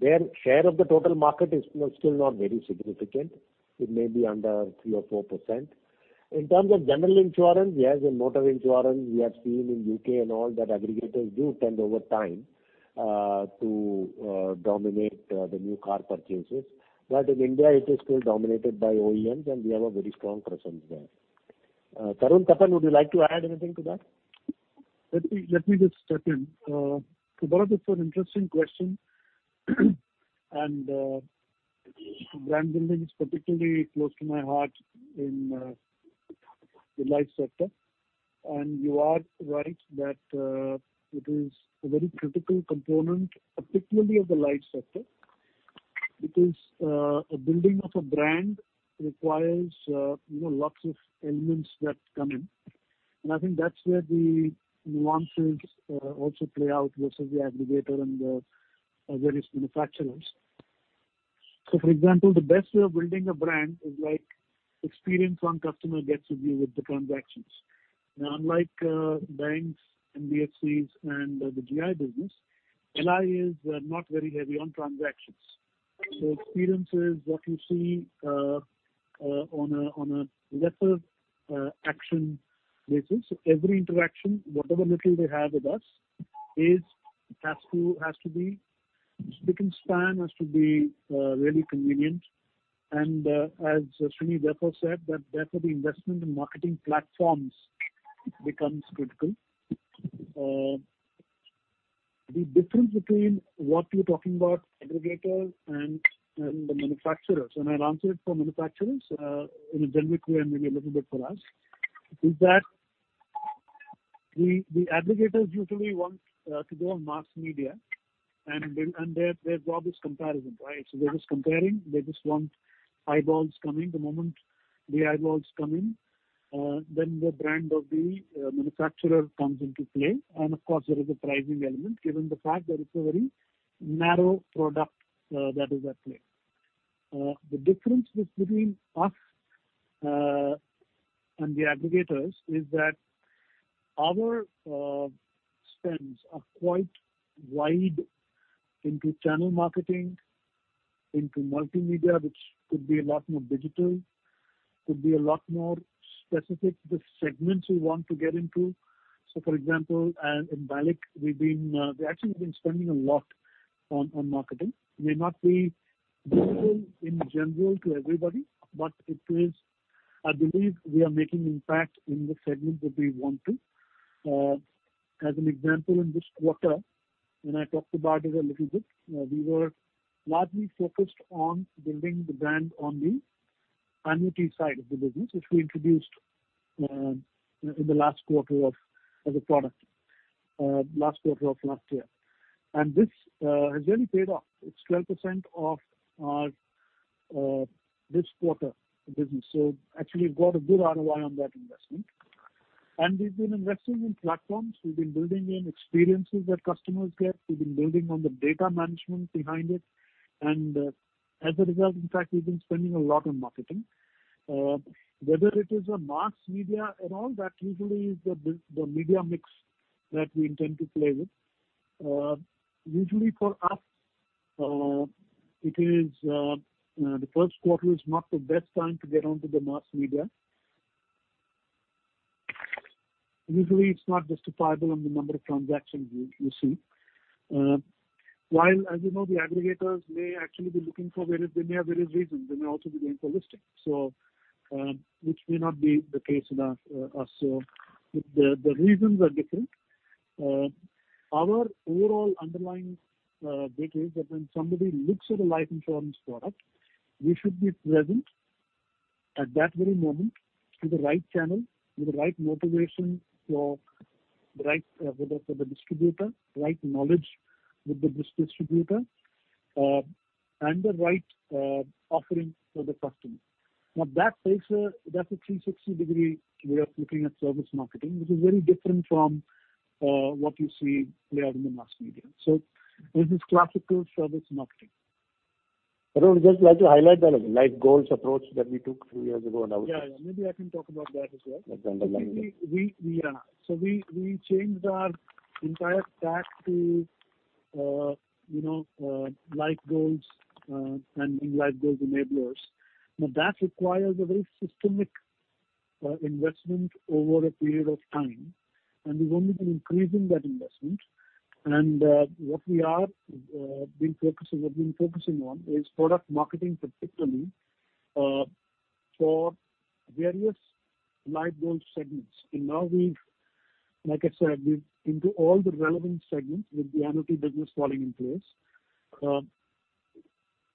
Their share of the total market is still not very significant. It may be under 3% or 4%. In terms of general insurance, yes, in motor insurance, we have seen in U.K. and all that aggregators do tend over time to dominate the new car purchases. In India, it is still dominated by OEMs, and we have a very strong presence there. Tarun, Tapan, would you like to add anything to that? Let me just chip in. Bharat, it's an interesting question, brand building is particularly close to my heart in the life sector. You are right that it is a very critical component, particularly of the life sector, because a building of a brand requires lots of elements that come in. I think that's where the nuances also play out versus the aggregator and the various manufacturers. For example, the best way of building a brand is experience one customer gets with you with the transactions. Now, unlike banks, NBFCs, and the GI business, LI is not very heavy on transactions. Experience is what you see on a lesser action basis. Every interaction, whatever little they have with us has to be stick and span, has to be really convenient. As Srini therefore said, that therefore the investment in marketing platforms becomes critical. The difference between what you're talking about aggregators and the manufacturers, and I'll answer it for manufacturers in a generic way and maybe a little bit for us, is that the aggregators usually want to go on mass media and their job is comparison. They're just comparing. They just want eyeballs coming. The moment the eyeballs come in, the brand of the manufacturer comes into play. Of course, there is a pricing element given the fact that it's a very narrow product that is at play. The difference between us and the aggregators is that our spends are quite wide into channel marketing into multimedia, which could be a lot more digital, could be a lot more specific to the segments we want to get into. For example, in BALIC, we actually have been spending a lot on marketing. It may not be visible in general to everybody, but I believe we are making impact in the segments that we want to. As an example, in this quarter, when I talked about it a little bit, we were largely focused on building the brand on the annuity side of the business, which we introduced in the last quarter as a product. Last quarter of last year. This has really paid off. It's 12% of our this quarter business. Actually, we've got a good ROI on that investment. We've been investing in platforms. We've been building in experiences that customers get. We've been building on the data management behind it. As a result, in fact, we've been spending a lot on marketing. Whether it is a mass media and all that usually is the media mix that we intend to play with. Usually for us, the first quarter is not the best time to get onto the mass media. Usually it is not justifiable on the number of transactions you see. While as you know, the aggregators may actually be looking for various, they may have various reasons. They may also be going for listing. Which may not be the case with us. The reasons are different. Our overall underlying bit is that when somebody looks at a life insurance product, we should be present at that very moment through the right channel, with the right motivation for the right, whether for the distributor, right knowledge with the distributor, and the right offering for the customer. That takes a 360-degree way of looking at service marketing, which is very different from what you see played out in the mass media. It is classical service marketing. Tarun, would you just like to highlight that Life Goals approach that we took three years ago and how it's? Yeah. Maybe I can talk about that as well. That underlying- We changed our entire tack to Life Goals and Life Goals enablers. That requires a very systemic investment over a period of time, and we've only been increasing that investment. What we have been focusing on is product marketing, particularly for various Life Goals segments. Now we've, like I said, we're into all the relevant segments with the annuity business falling in place.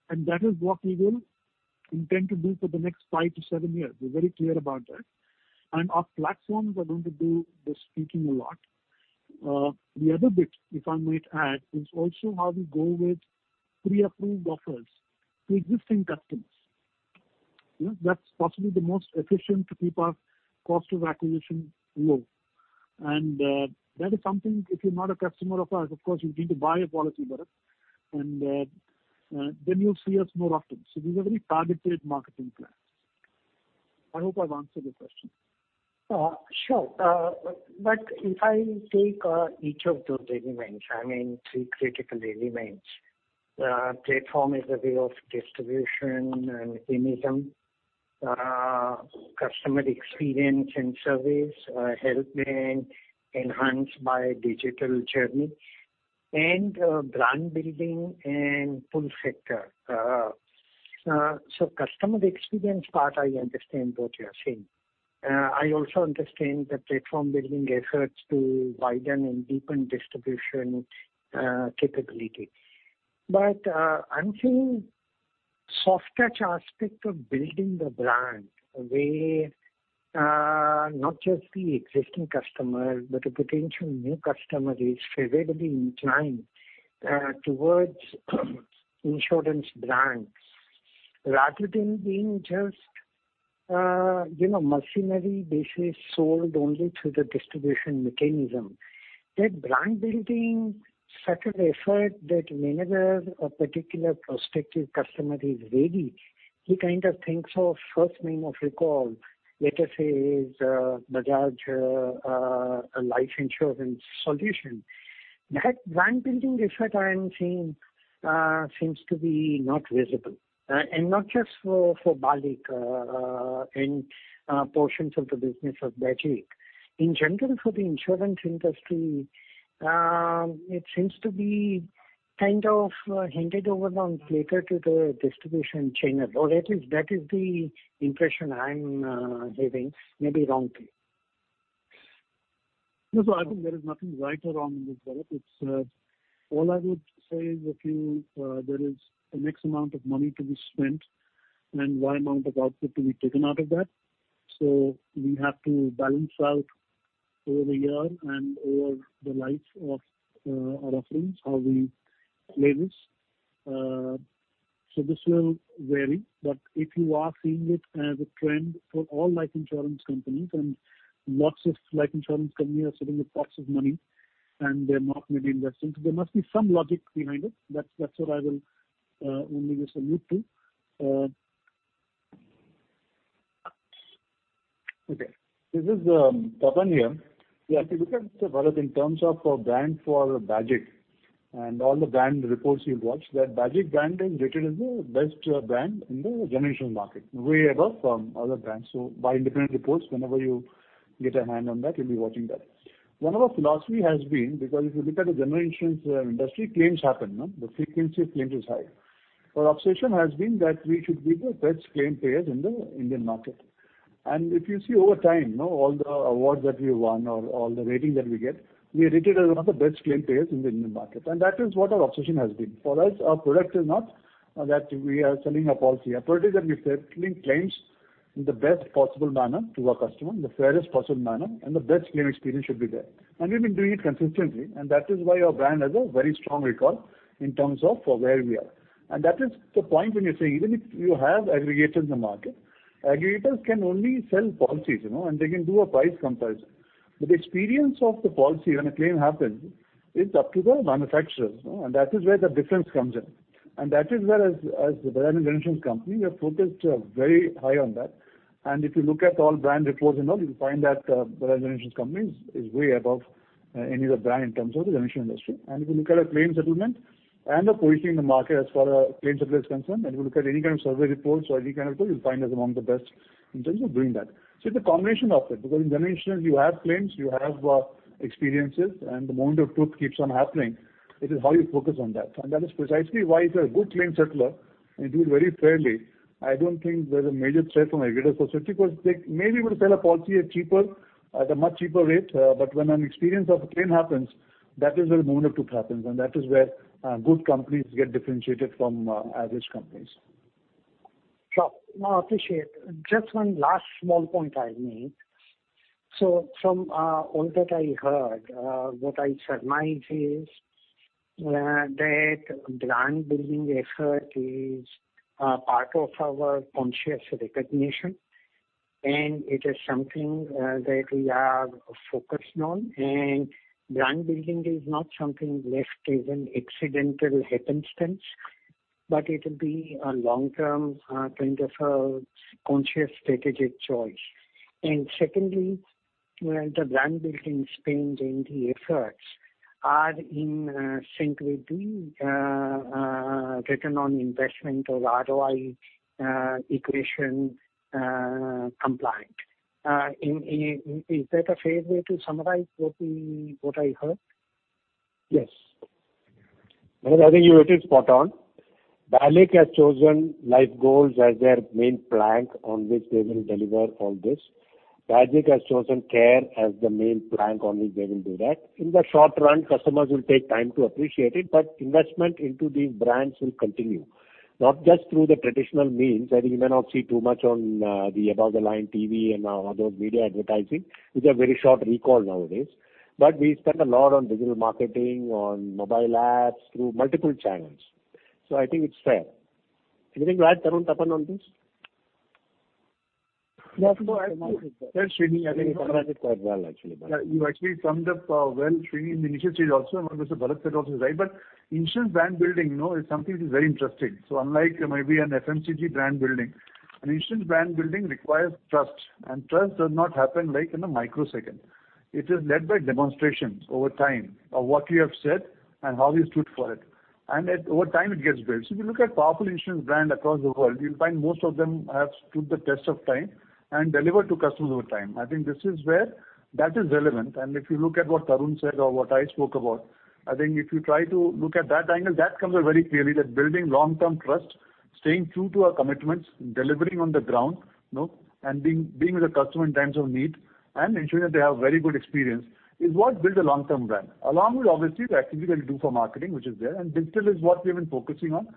That is what we will intend to do for the next five to seven years. We're very clear about that. Our platforms are going to do the speaking a lot. The other bit, if I might add, is also how we go with pre-approved offers to existing customers. That's possibly the most efficient to keep our cost of acquisition low. That is something if you're not a customer of ours, of course, you need to buy a policy, Bharat, and then you'll see us more often. These are very targeted marketing plans. I hope I've answered your question. Sure. If I take each of those elements, I mean, three critical elements. Platform is a way of distribution and mechanism, customer experience and service help being enhanced by digital journey and brand building and pull factor. Customer experience part, I understand what you're saying. I also understand the platform building efforts to widen and deepen distribution capability. I'm seeing soft touch aspect of building the brand where not just the existing customer, but a potential new customer is favorably inclined towards insurance brands rather than being just mercenary basis sold only through the distribution mechanism. That brand building such an effort that whenever a particular prospective customer is ready, he kind of thinks of first name of recall, let us say, is Bajaj Life Insurance solution. That brand building effort I am seeing seems to be not visible. Not just for BALIC and portions of the business of Bajaj. In general, for the insurance industry, it seems to be kind of hinted over long period to the distribution channels, or at least that is the impression I’m having, maybe wrongly. I think there is nothing right or wrong in this, Bharat. All I would say is there is an X amount of money to be spent and Y amount of output to be taken out of that. We have to balance out over here and over the life of our offerings how we play this. This will vary, but if you are seeing it as a trend for all life insurance companies, lots of life insurance companies are sitting with pots of money and they're not really investing, there must be some logic behind it. That's what I will only just allude to. Okay. This is Tapan here. Yeah, if you look at it, Bharat, in terms of brand for Bajaj and all the brand reports you've watched, that Bajaj brand is rated as the best brand in the general insurance market, way above from other brands. By independent reports, whenever you get a hand on that, you'll be watching that. One of our philosophy has been, because if you look at the general insurance industry, claims happen. The frequency of claims is high. Our obsession has been that we should be the best claim payers in the Indian market. If you see over time, all the awards that we've won or all the rating that we get, we are rated as one of the best claim payers in the Indian market. That is what our obsession has been. For us, our product is not that we are selling a policy. Our product is that we're settling claims in the best possible manner to our customer, in the fairest possible manner, and the best claim experience should be there. We've been doing it consistently, and that is why our brand has a very strong recall in terms of where we are. That is the point when you say even if you have aggregators in the market, aggregators can only sell policies, and they can do a price comparison. But the experience of the policy when a claim happens is up to the manufacturer, and that is where the difference comes in. That is where as Bajaj Allianz General Insurance Company, we are focused very high on that. If you look at all brand reports, you'll find that Bajaj Allianz General Insurance Company is way above any other brand in terms of the general insurance industry. If you look at our claim settlement and the positioning in the market as far as claim settlement is concerned, and you look at any kind of survey reports or any kind of thing, you'll find us among the best in terms of doing that. It's a combination of it because in general insurance you have claims, you have experiences, and the moment of truth keeps on happening. It is how you focus on that. That is precisely why if you're a good claim settler and you do it very fairly, I don't think there's a major threat from aggregators per se because they maybe will sell a policy at a much cheaper rate, but when an experience of a claim happens, that is where the moment of truth happens, and that is where good companies get differentiated from average companies. Sure. No, appreciate. Just one last small point I'll make. From all that I heard, what I surmise is that brand building effort is part of our conscious recognition, and it is something that we are focused on. Brand building is not something left as an accidental happenstance, but it'll be a long-term kind of a conscious strategic choice. Secondly, the brand building spend and the efforts are in sync with the return on investment or ROI equation compliant. Is that a fair way to summarize what I heard? Yes. Bharat, I think you were spot on. Bajaj has chosen Life Goals as their main plank on which they will deliver all this. Bajaj has chosen care as the main plank on which they will do that. In the short run, customers will take time to appreciate it, but investment into these brands will continue. Not just through the traditional means that you may not see too much on the above the line TV and other media advertising, which are very short recall nowadays, but we spend a lot on digital marketing, on mobile apps, through multiple channels. I think it's fair. Anything to add, Tarun, Tapan, on this? No, I think- Sir, Sreeni. No, you covered it quite well, actually, Bharat. You actually summed up well, Srini, in the initial stage also, and what Mr. Bharat said also is right, but insurance brand building is something which is very interesting. Unlike maybe an FMCG brand building, an insurance brand building requires trust, and trust does not happen in a microsecond. It is led by demonstrations over time of what you have said and how you stood for it. Over time it gets built. If you look at powerful insurance brand across the world, you will find most of them have stood the test of time and delivered to customers over time. I think this is where that is relevant, and if you look at what Tarun said or what I spoke about, I think if you try to look at that angle, that comes out very clearly that building long-term trust, staying true to our commitments, delivering on the ground and being with the customer in times of need and ensuring that they have very good experience is what builds a long-term brand. Along with, obviously, the activity that we do for marketing, which is there, and digital is what we've been focusing on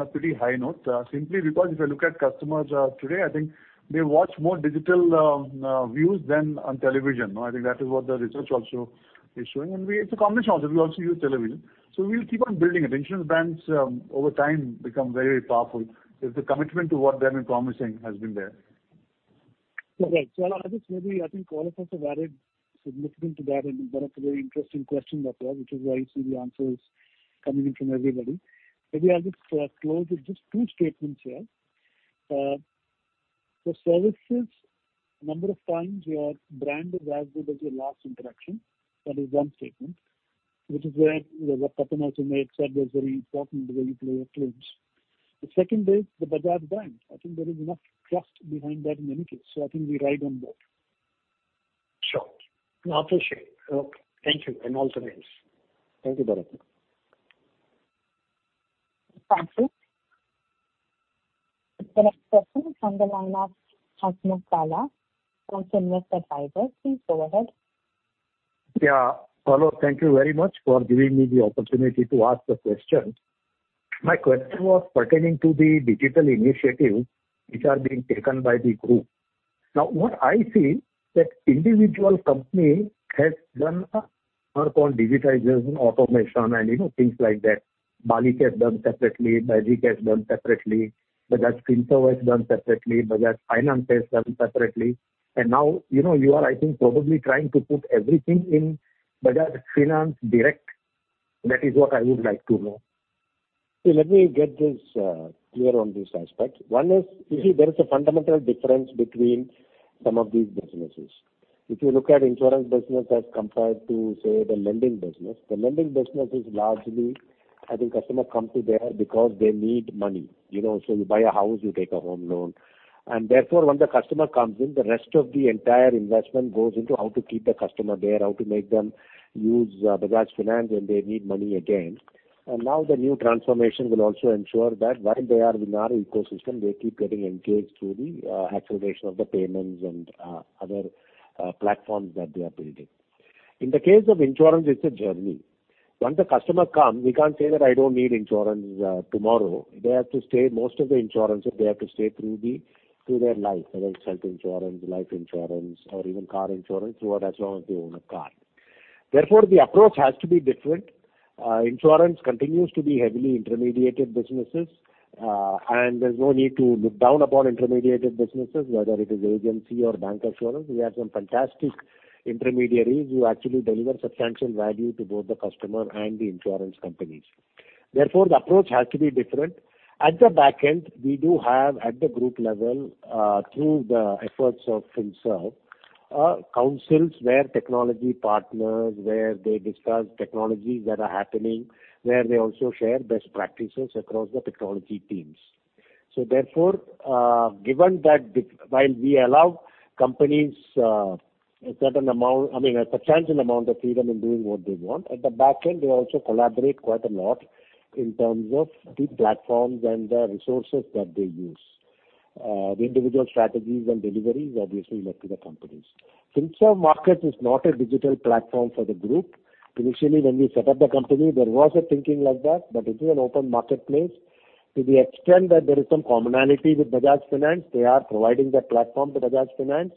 a pretty high note. Simply because if I look at customers today, I think they watch more digital views than on television. I think that is what the research also is showing. It's a combination also. We also use television. We'll keep on building it. Insurance brands over time become very powerful if the commitment to what they have been promising has been there. Right. I think all of us have added significant to that and one of the very interesting question that was, which is why you see the answers coming in from everybody. Maybe I'll just close with just two statements here. For services, number of times your brand is as good as your last interaction. That is one statement. Which is where what Tapan also said was very important, the way you pay your claims. The second is the Bajaj brand. I think there is enough trust behind that in any case. I think we ride on both. Sure. No, appreciate. Okay. Thank you and all the best. Thank you, Bharat. Thank you. The next question from the line of Hasnukala from CNBC-TV18. Please go ahead. Yeah. Hello, thank you very much for giving me the opportunity to ask the question. My question was pertaining to the digital initiatives which are being taken by the group. Now, what I feel that individual company has done a work on digitization, automation, and things like that. Bajaj has done separately, Bajaj has done separately, Bajaj Finserv has done separately, Bajaj Finance has done separately. Now you are, I think, probably trying to put everything in Bajaj Finserv Direct. That is what I would like to know. Let me get this clear on this aspect. One is, you see there is a fundamental difference between some of these businesses. If you look at insurance business as compared to, say, the lending business, the lending business is largely, I think customer comes to there because they need money. You buy a house, you take a home loan. Therefore, when the customer comes in, the rest of the entire investment goes into how to keep the customer there, how to make them use Bajaj Finance when they need money again. Now the new transformation will also ensure that while they are in our ecosystem, they keep getting engaged through the acceleration of the payments and other platforms that they are building. In the case of insurance, it's a journey. Once the customer come, he can't say that, "I don't need insurance tomorrow." Most of the insurance, they have to stay through their life, whether it's health insurance, life insurance, or even car insurance, throughout as long as they own a car. Therefore, the approach has to be different. Insurance continues to be heavily intermediated businesses. There's no need to look down upon intermediated businesses, whether it is agency or bank insurance. We have some fantastic intermediaries who actually deliver substantial value to both the customer and the insurance companies. Therefore, the approach has to be different. At the back end, we do have, at the group level, through the efforts of Finserv, councils where technology partners, where they discuss technologies that are happening, where they also share best practices across the technology teams. While we allow companies a substantial amount of freedom in doing what they want, at the back end, they also collaborate quite a lot in terms of the platforms and the resources that they use. The individual strategies and delivery is obviously left to the companies. Finserv Markets is not a digital platform for the group. Initially, when we set up the company, there was a thinking like that. It is an open marketplace. To the extent that there is some commonality with Bajaj Finance, they are providing the platform to Bajaj Finance.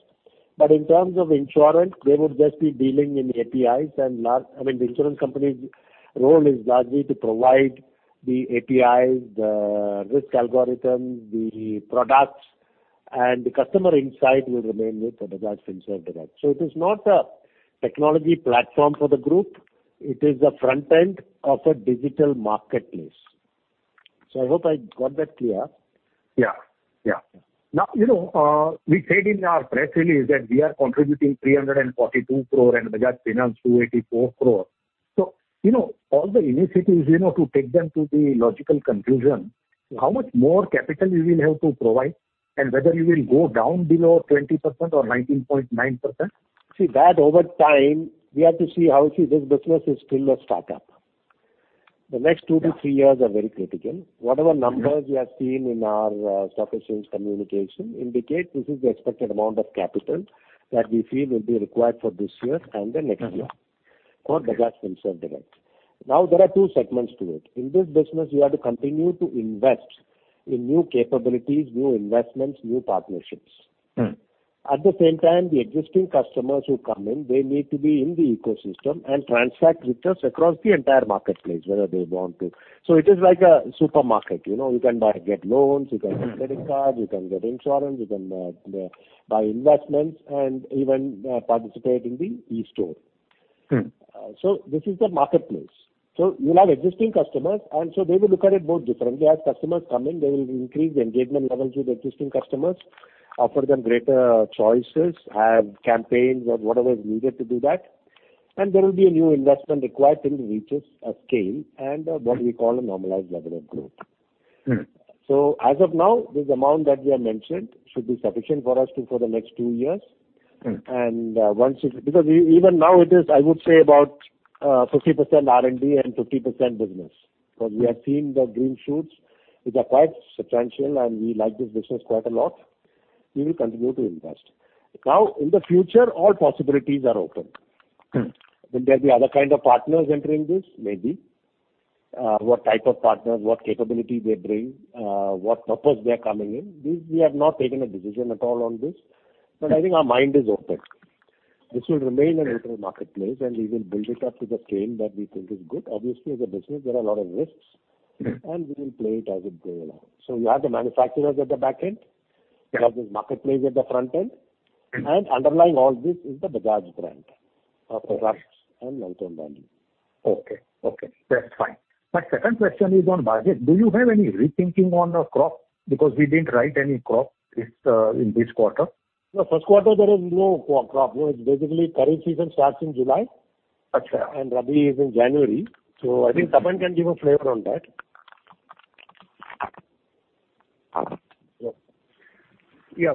In terms of insurance, they would just be dealing in APIs. The insurance company's role is largely to provide the APIs, the risk algorithm, the products, and the customer insight will remain with the Bajaj Finserv Direct. It is not a technology platform for the group. It is the front end of a digital marketplace. I hope I got that clear. Now, we said in our press release that we are contributing 342 crore and Bajaj Finance 284 crore. All the initiatives, to take them to the logical conclusion, how much more capital we will have to provide and whether we will go down below 20% or 19.9%? See that over time, we have to see how this business is still a start-up. The next two-three years are very critical. Whatever numbers we have seen in our stock exchange communication indicate this is the expected amount of capital that we feel will be required for this year and the next year for Bajaj Finserv Direct. There are two segments to it. In this business, you have to continue to invest in new capabilities, new investments, new partnerships. At the same time, the existing customers who come in, they need to be in the ecosystem and transact with us across the entire marketplace, whether they want to. It is like a supermarket. You can get loans, you can get credit cards, you can get insurance, you can buy investments and even participate in the e-store. This is the marketplace. You'll have existing customers, and so they will look at it both differently. As customers come in, they will increase the engagement levels with existing customers, offer them greater choices, have campaigns or whatever is needed to do that. There will be a new investment required till it reaches a scale and what we call a normalized level of growth. As of now, this amount that we have mentioned should be sufficient for us for the next two years. Even now it is, I would say about 50% R&D and 50% business. We have seen the green shoots, which are quite substantial, and we like this business quite a lot. We will continue to invest. Now in the future, all possibilities are open. Will there be other kind of partners entering this? Maybe. What type of partners, what capability they bring, what purpose they're coming in. This, we have not taken a decision at all on this. I think our mind is open. This will remain an open marketplace and we will build it up to the scale that we think is good. Obviously, as a business, there are a lot of risks and we will play it as we go along. You have the manufacturers at the back end. You have this marketplace at the front end. Underlying all this is the Bajaj brand of products and long-term value. Okay. That's fine. My second question is on margin. Do you have any rethinking on the crop? We didn't write any crop in this quarter. No, first quarter there is no crop. Basically, kharif season starts in July. Gotcha. Rabi is in January. I think Tapan can give a flavor on that. Yeah.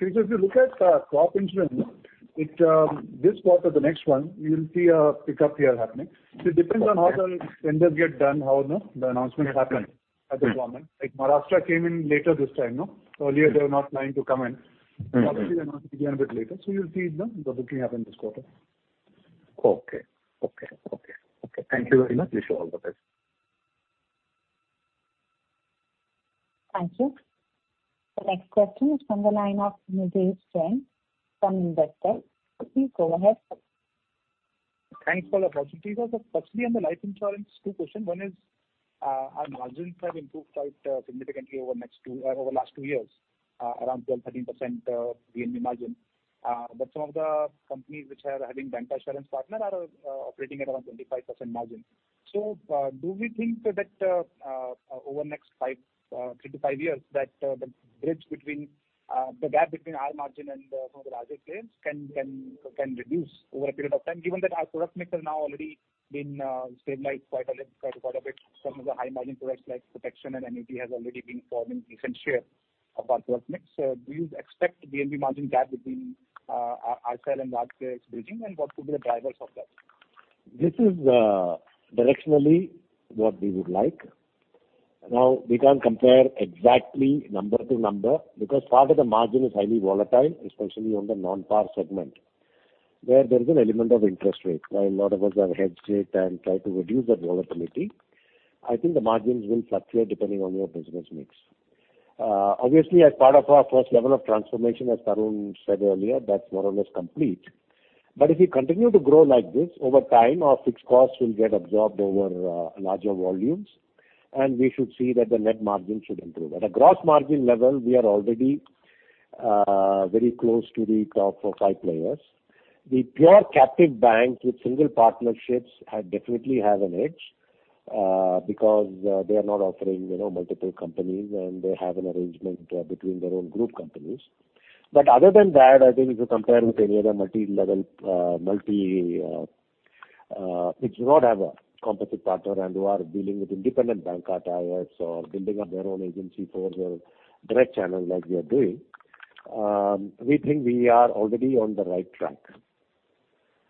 If you look at crop insurance, this quarter the next one, you will see a pickup here happening. See, it depends on how the tenders get done, how the announcement happened at the government. Like Maharashtra came in later this time. Earlier they were not planning to come in. Obviously, the announcement came a bit later. You'll see the booking happen this quarter. Okay. Thank you very much. Wish you all the best. Thank you. The next question is from the line of Nitish Jain from Investor. Please go ahead. Thanks for the opportunity. Sir, firstly on the life insurance, two questions. One is, our margins have improved quite significantly over the last two years, around 12%-13% VNB margin. Some of the companies which are having bancassurance partner are operating at around 25% margin. Do we think that over the next three-five years that the gap between our margin and some of the larger players can reduce over a period of time, given that our product mix has now already been stabilized quite a bit from the high margin products like protection and non-par has already been forming a decent share of our product mix. Do you expect the margin gap between our side and large players bridging, and what could be the drivers of that? This is directionally what we would like. Now, we can't compare exactly number to number because part of the margin is highly volatile, especially on the non-par segment where there is an element of interest rate. While a lot of us have hedged it and tried to reduce that volatility, I think the margins will fluctuate depending on your business mix. Obviously, as part of our first level of transformation, as Tarun said earlier, that's more or less complete. If we continue to grow like this over time, our fixed costs will get absorbed over larger volumes and we should see that the net margin should improve. At a gross margin level, we are already very close to the top four, five players. The pure captive banks with single partnerships definitely have an edge because they are not offering multiple companies and they have an arrangement between their own group companies. Other than that, I think if you compare with any other multi-level, which do not have a composite partner and who are dealing with independent bancassurances or building up their own agency for their direct channel like we are doing, we think we are already on the right track.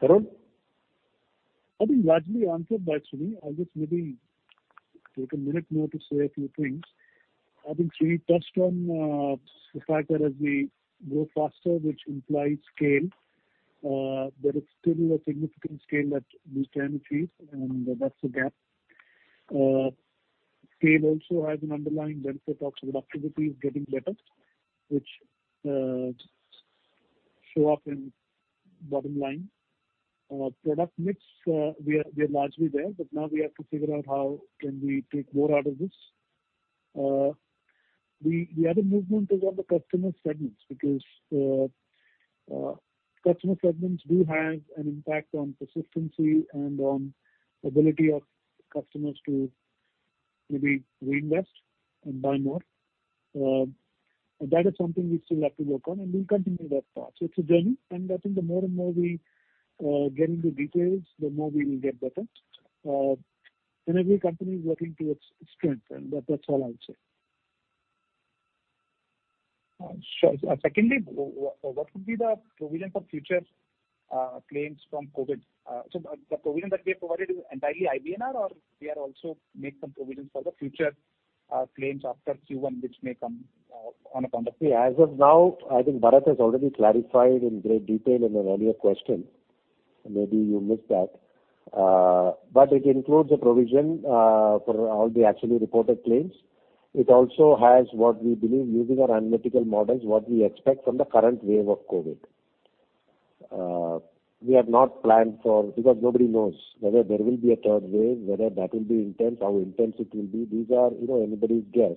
Tarun? I think largely answered by Sreeni. I'll just maybe take a minute more to say a few things. I think Sreeni touched on the fact that as we grow faster, which implies scale, there is still a significant scale that we can achieve, and that's the gap. Scale also has an underlying benefit of productivity getting better, which show up in bottom line. Product mix, we are largely there, but now we have to figure out how can we take more out of this. The other movement is on the customer segments, because customer segments do have an impact on persistency and on ability of customers to maybe reinvest and buy more. That is something we still have to work on and we'll continue that part. It's a journey and I think the more and more we get into details, the more we will get better. Every company is working to its strength, and that's all I would say. Sure. What would be the provision for future claims from COVID? The provision that we have provided is entirely IBNR or we are also make some provisions for the future claims after Q1. As of now, I think Bharat has already clarified in great detail in an earlier question. Maybe you missed that. It includes a provision for all the actually reported claims. It also has what we believe using our analytical models, what we expect from the current wave of COVID. We have not planned for because nobody knows whether there will be a third wave, whether that will be intense, how intense it will be. These are anybody's guess.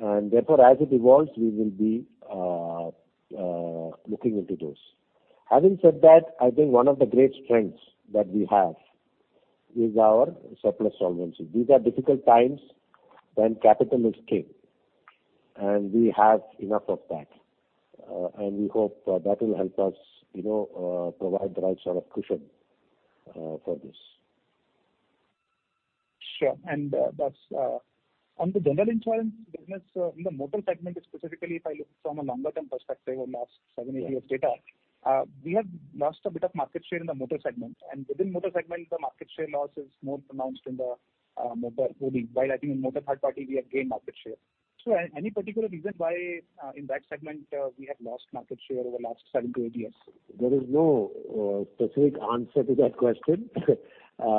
Therefore, as it evolves, we will be looking into those. Having said that, I think one of the great strengths that we have is our surplus solvency. These are difficult times when capital is king, and we have enough of that. We hope that will help us provide the right sort of cushion for this. Sure. On the general insurance business in the motor segment specifically, if I look from a longer-term perspective of last seven, eight years' data, we have lost a bit of market share in the motor segment. Within motor segment, the market share loss is more pronounced in the motor OD. While I think in motor third party, we have gained market share. Any particular reason why in that segment we have lost market share over last seven-eight years? There is no specific answer to that question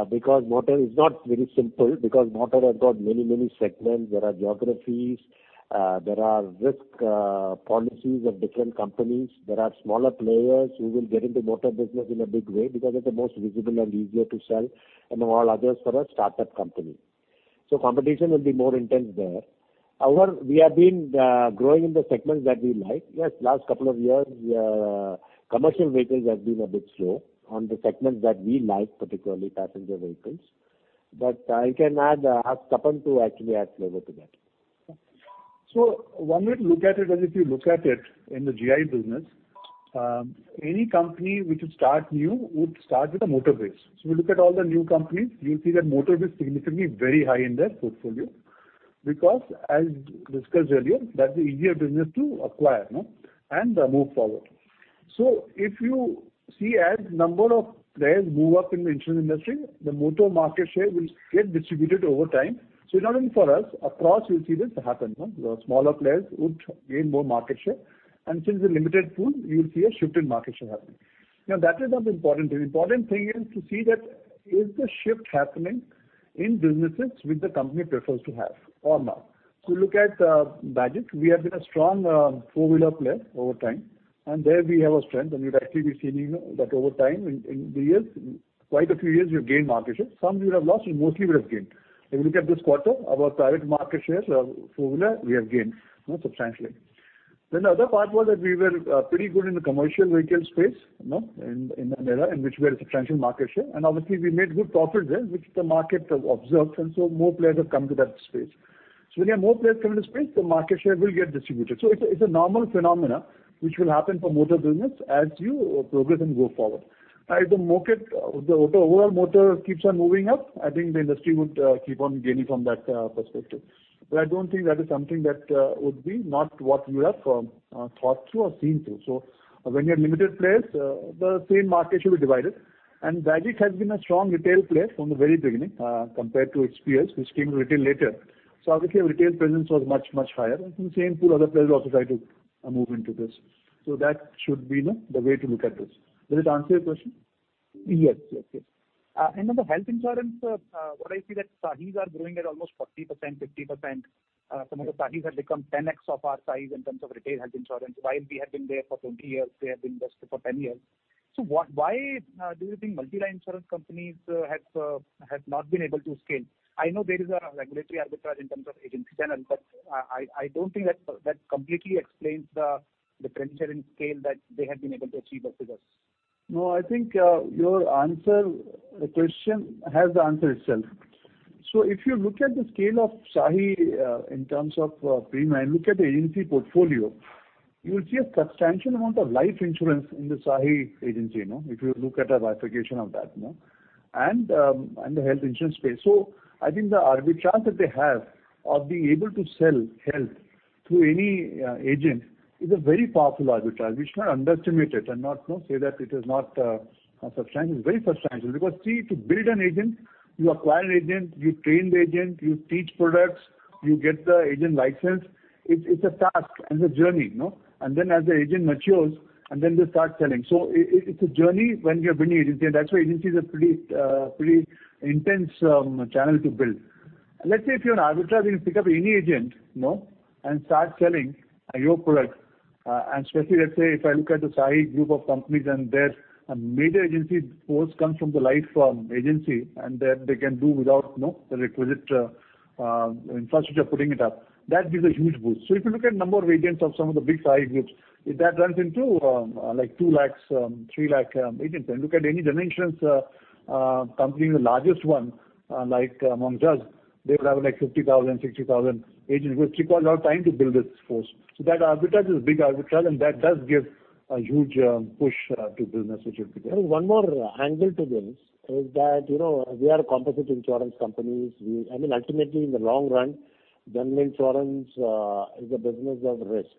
because motor is not very simple because motor has got many, many segments. There are geographies, there are risk policies of different companies. There are smaller players who will get into motor business in a big way because it's the most visible and easier to sell than all others for a startup company. Competition will be more intense there. However, we have been growing in the segments that we like. Yes, last two years, commercial vehicles have been a bit slow on the segments that we like, particularly passenger vehicles. I can ask Tapan to actually add flavor to that. One way to look at it is if you look at it in the GI business, any company which would start new would start with a motor base. You look at all the new companies, you will see that motor is significantly very high in their portfolio because as discussed earlier, that's the easier business to acquire and move forward. If you see as number of players move up in the insurance industry, the motor market share will get distributed over time. Not only for us, across you will see this happen. The smaller players would gain more market share, and since it's a limited pool, you will see a shift in market share happening. That is not important. The important thing is to see that is the shift happening in businesses which the company prefers to have or not. Look at Bajaj, we have been a strong four-wheeler player over time, and there we have a strength and you'd actually be seeing that over time in the years, quite a few years, we've gained market share. Some we would have lost, but mostly we have gained. If you look at this quarter, our private market shares, four-wheeler, we have gained substantially. The other part was that we were pretty good in the commercial vehicle space, in that era, in which we had a substantial market share. Obviously, we made good profits there, which the market observed, and so more players have come to that space. When you have more players come into space, the market share will get distributed. It's a normal phenomenon which will happen for motor business as you progress and go forward. As the overall motor keeps on moving up, I think the industry would keep on gaining from that perspective. I don't think that is something that would be not what we have thought through or seen through. When you have limited players, the same market share will be divided. Bajaj has been a strong retail player from the very beginning compared to its peers, which came to retail later. Obviously, our retail presence was much, much higher, and from the same pool, other players also tried to move into this. That should be the way to look at this. Does it answer your question? Yes. On the health insurance, what I see that SAHIs are growing at almost 40%, 50%. Some of the SAHIs have become 10x of our size in terms of retail health insurance. While we have been there for 20 years, they have been there for 10 years. Why do you think multi-line insurance companies have not been able to scale? I know there is a regulatory arbitrage in terms of agency channel, but I don't think that completely explains the differential in scale that they have been able to achieve versus us. No, I think your question has the answer itself. If you look at the scale of SAHI in terms of premium and look at the agency portfolio, you will see a substantial amount of life insurance in the SAHI agency, if you look at a bifurcation of that and the health insurance space. I think the arbitrage that they have of being able to sell health through any agent is a very powerful arbitrage. We should not underestimate it and not say that it is not substantial. It's very substantial because, see, to build an agent, you acquire an agent, you train the agent, you teach products, you get the agent licensed. It's a task and a journey. Then as the agent matures, and then they start selling. It's a journey when you're building agency. That's why agency is a pretty intense channel to build. Let's say if you're an arbitrage, you can pick up any agent and start selling your product. Especially, let's say, if I look at the SAHI group of companies and their major agency force comes from the life agency, and they can do without the requisite infrastructure of putting it up. That gives a huge boost. If you look at number of agents of some of the big size, which that runs into 2 lakh, 3 lakh agents, and look at any general insurance company, the largest one, like among us, they would have 50,000, 60,000 agents, which requires a lot of time to build this force. That arbitrage is big arbitrage, and that does give a huge push to business, which you'll be doing. There is one more angle to this, is that we are a composite insurance company. Ultimately, in the long run, general insurance is a business of risk,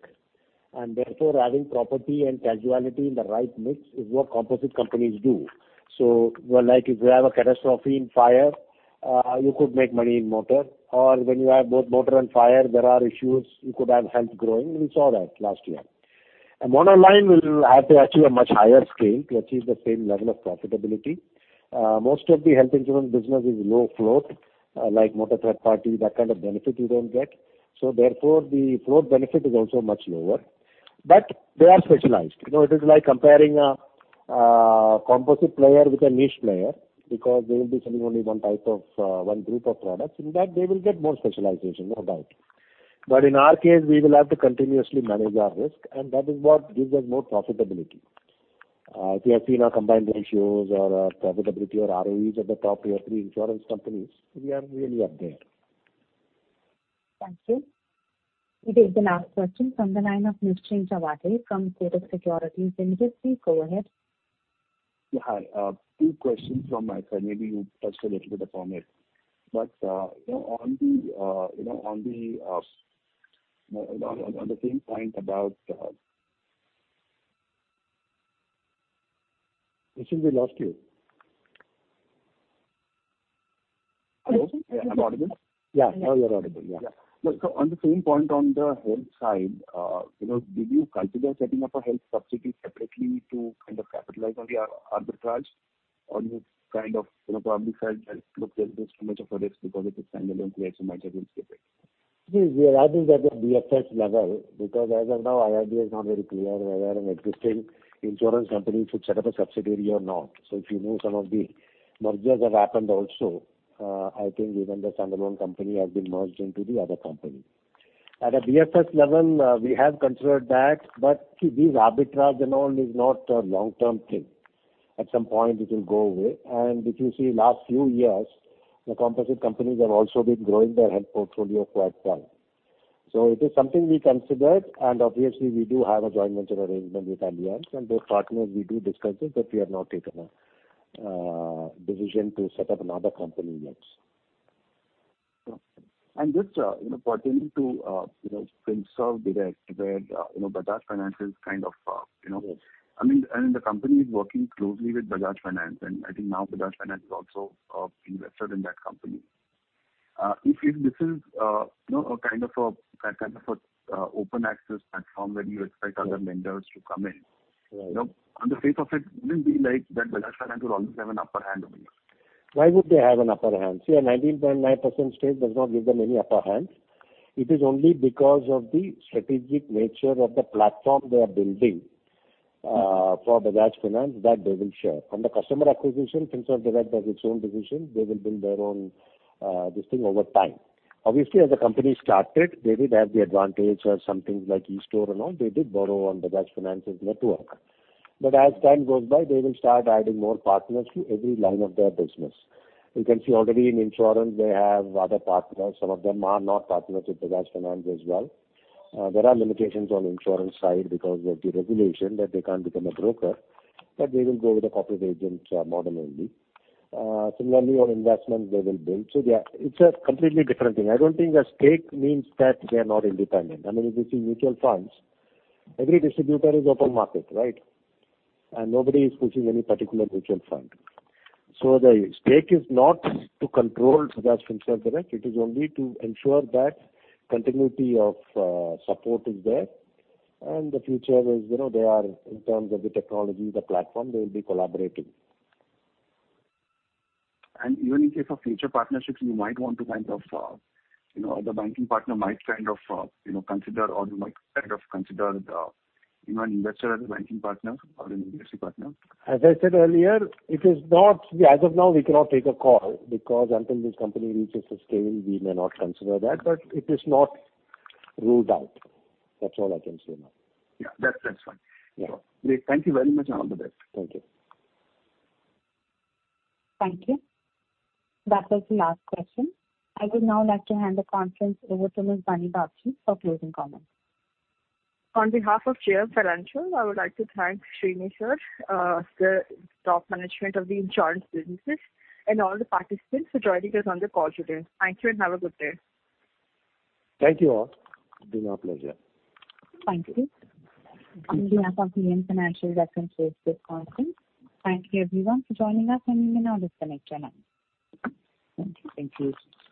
therefore adding property and casualty in the right mix is what composite companies do. If you have a catastrophe in fire, you could make money in motor, or when you have both motor and fire, there are issues. You could have health growing. We saw that last year. A monoline will have to achieve a much higher scale to achieve the same level of profitability. Most of the health insurance business is low float, like motor third party, that kind of benefit you don't get. Therefore, the float benefit is also much lower. They are specialized. It is like comparing a composite player with a niche player because they will be selling only one group of products. In that they will get more specialization, no doubt. In our case, we will have to continuously manage our risk, and that is what gives us more profitability. If you have seen our combined ratios or our profitability or ROEs of the top Tier 3 insurance companies, we are really up there. Thank you. It is the last question from the line of Mr. Nischint Chawathe from Kotak Securities. Just please go ahead. Yeah. Hi. Two questions from my side. Maybe you touched a little bit upon it. On the same point about Mr. we lost you. Hello. Am I audible? Yeah. Now you're audible. On the same point on the health side, did you consider setting up a health subsidiary separately to capitalize on the arbitrage? Or you probably felt that look, there's just too much of a risk because it's a standalone play, so might as well skip it. We are adding that at BFS level because as of now, IRDAI is not very clear whether an existing insurance company should set up a subsidiary or not. If you know, some of the mergers have happened also. I think even the standalone company has been merged into the other company. At a BFS level, we have considered that, see, this arbitrage and all is not a long-term thing. At some point it will go away. If you see last few years, the composite companies have also been growing their health portfolio quite well. It is something we considered, obviously we do have a joint venture arrangement with Allianz, those partners we do discuss it, we have not taken a decision to set up another company yet. Just pertaining to Finserv Direct, where Bajaj Finance. The company is working closely with Bajaj Finance, and I think now Bajaj Finance is also invested in that company. This is a kind of an open access platform where you expect other lenders to come in. Right. On the face of it, wouldn't it be like that Bajaj Finance would always have an upper hand over here? Why would they have an upper hand? See, a 19.9% stake does not give them any upper hand. It is only because of the strategic nature of the platform they are building. For Bajaj Finance that they will share. On the customer acquisition, Finserv Direct has its own decision. They will build their own this thing over time. Obviously, as the company started, they did have the advantage of some things like e-store and all. They did borrow on Bajaj Finance's network. As time goes by, they will start adding more partners to every line of their business. You can see already in insurance they have other partners. Some of them are not partners with Bajaj Finance as well. There are limitations on insurance side because of the regulation that they can't become a broker, but they will go with the corporate agent model only. Similarly, on investment, they will build. It's a completely different thing. I don't think a stake means that they're not independent. If you see mutual funds, every distributor is open market. Right? Nobody is pushing any particular mutual fund. The stake is not to control Bajaj Finserv Direct. It is only to ensure that continuity of support is there, and the future is they are in terms of the technology, the platform they will be collaborating. Even in case of future partnerships, the banking partner might kind of consider or you might kind of consider even investor as a banking partner or an industry partner? As I said earlier, as of now, we cannot take a call because until this company reaches a scale, we may not consider that, but it is not ruled out. That's all I can say now. Yeah. That's fine. Yeah. Great. Thank you very much, and all the best. Thank you. Thank you. That was the last question. I would now like to hand the conference over to Ms. Bunny Babjee for closing comments. On behalf of JM Financial, I would like to thank Sreeni sir, the top management of the insurance businesses, and all the participants for joining us on the call today. Thank you and have a good day. Thank you all. It's been our pleasure. Thank you. On behalf of JM Financial, that concludes this conference. Thank you everyone for joining us, and you may now disconnect your lines. Thank you. Thank you.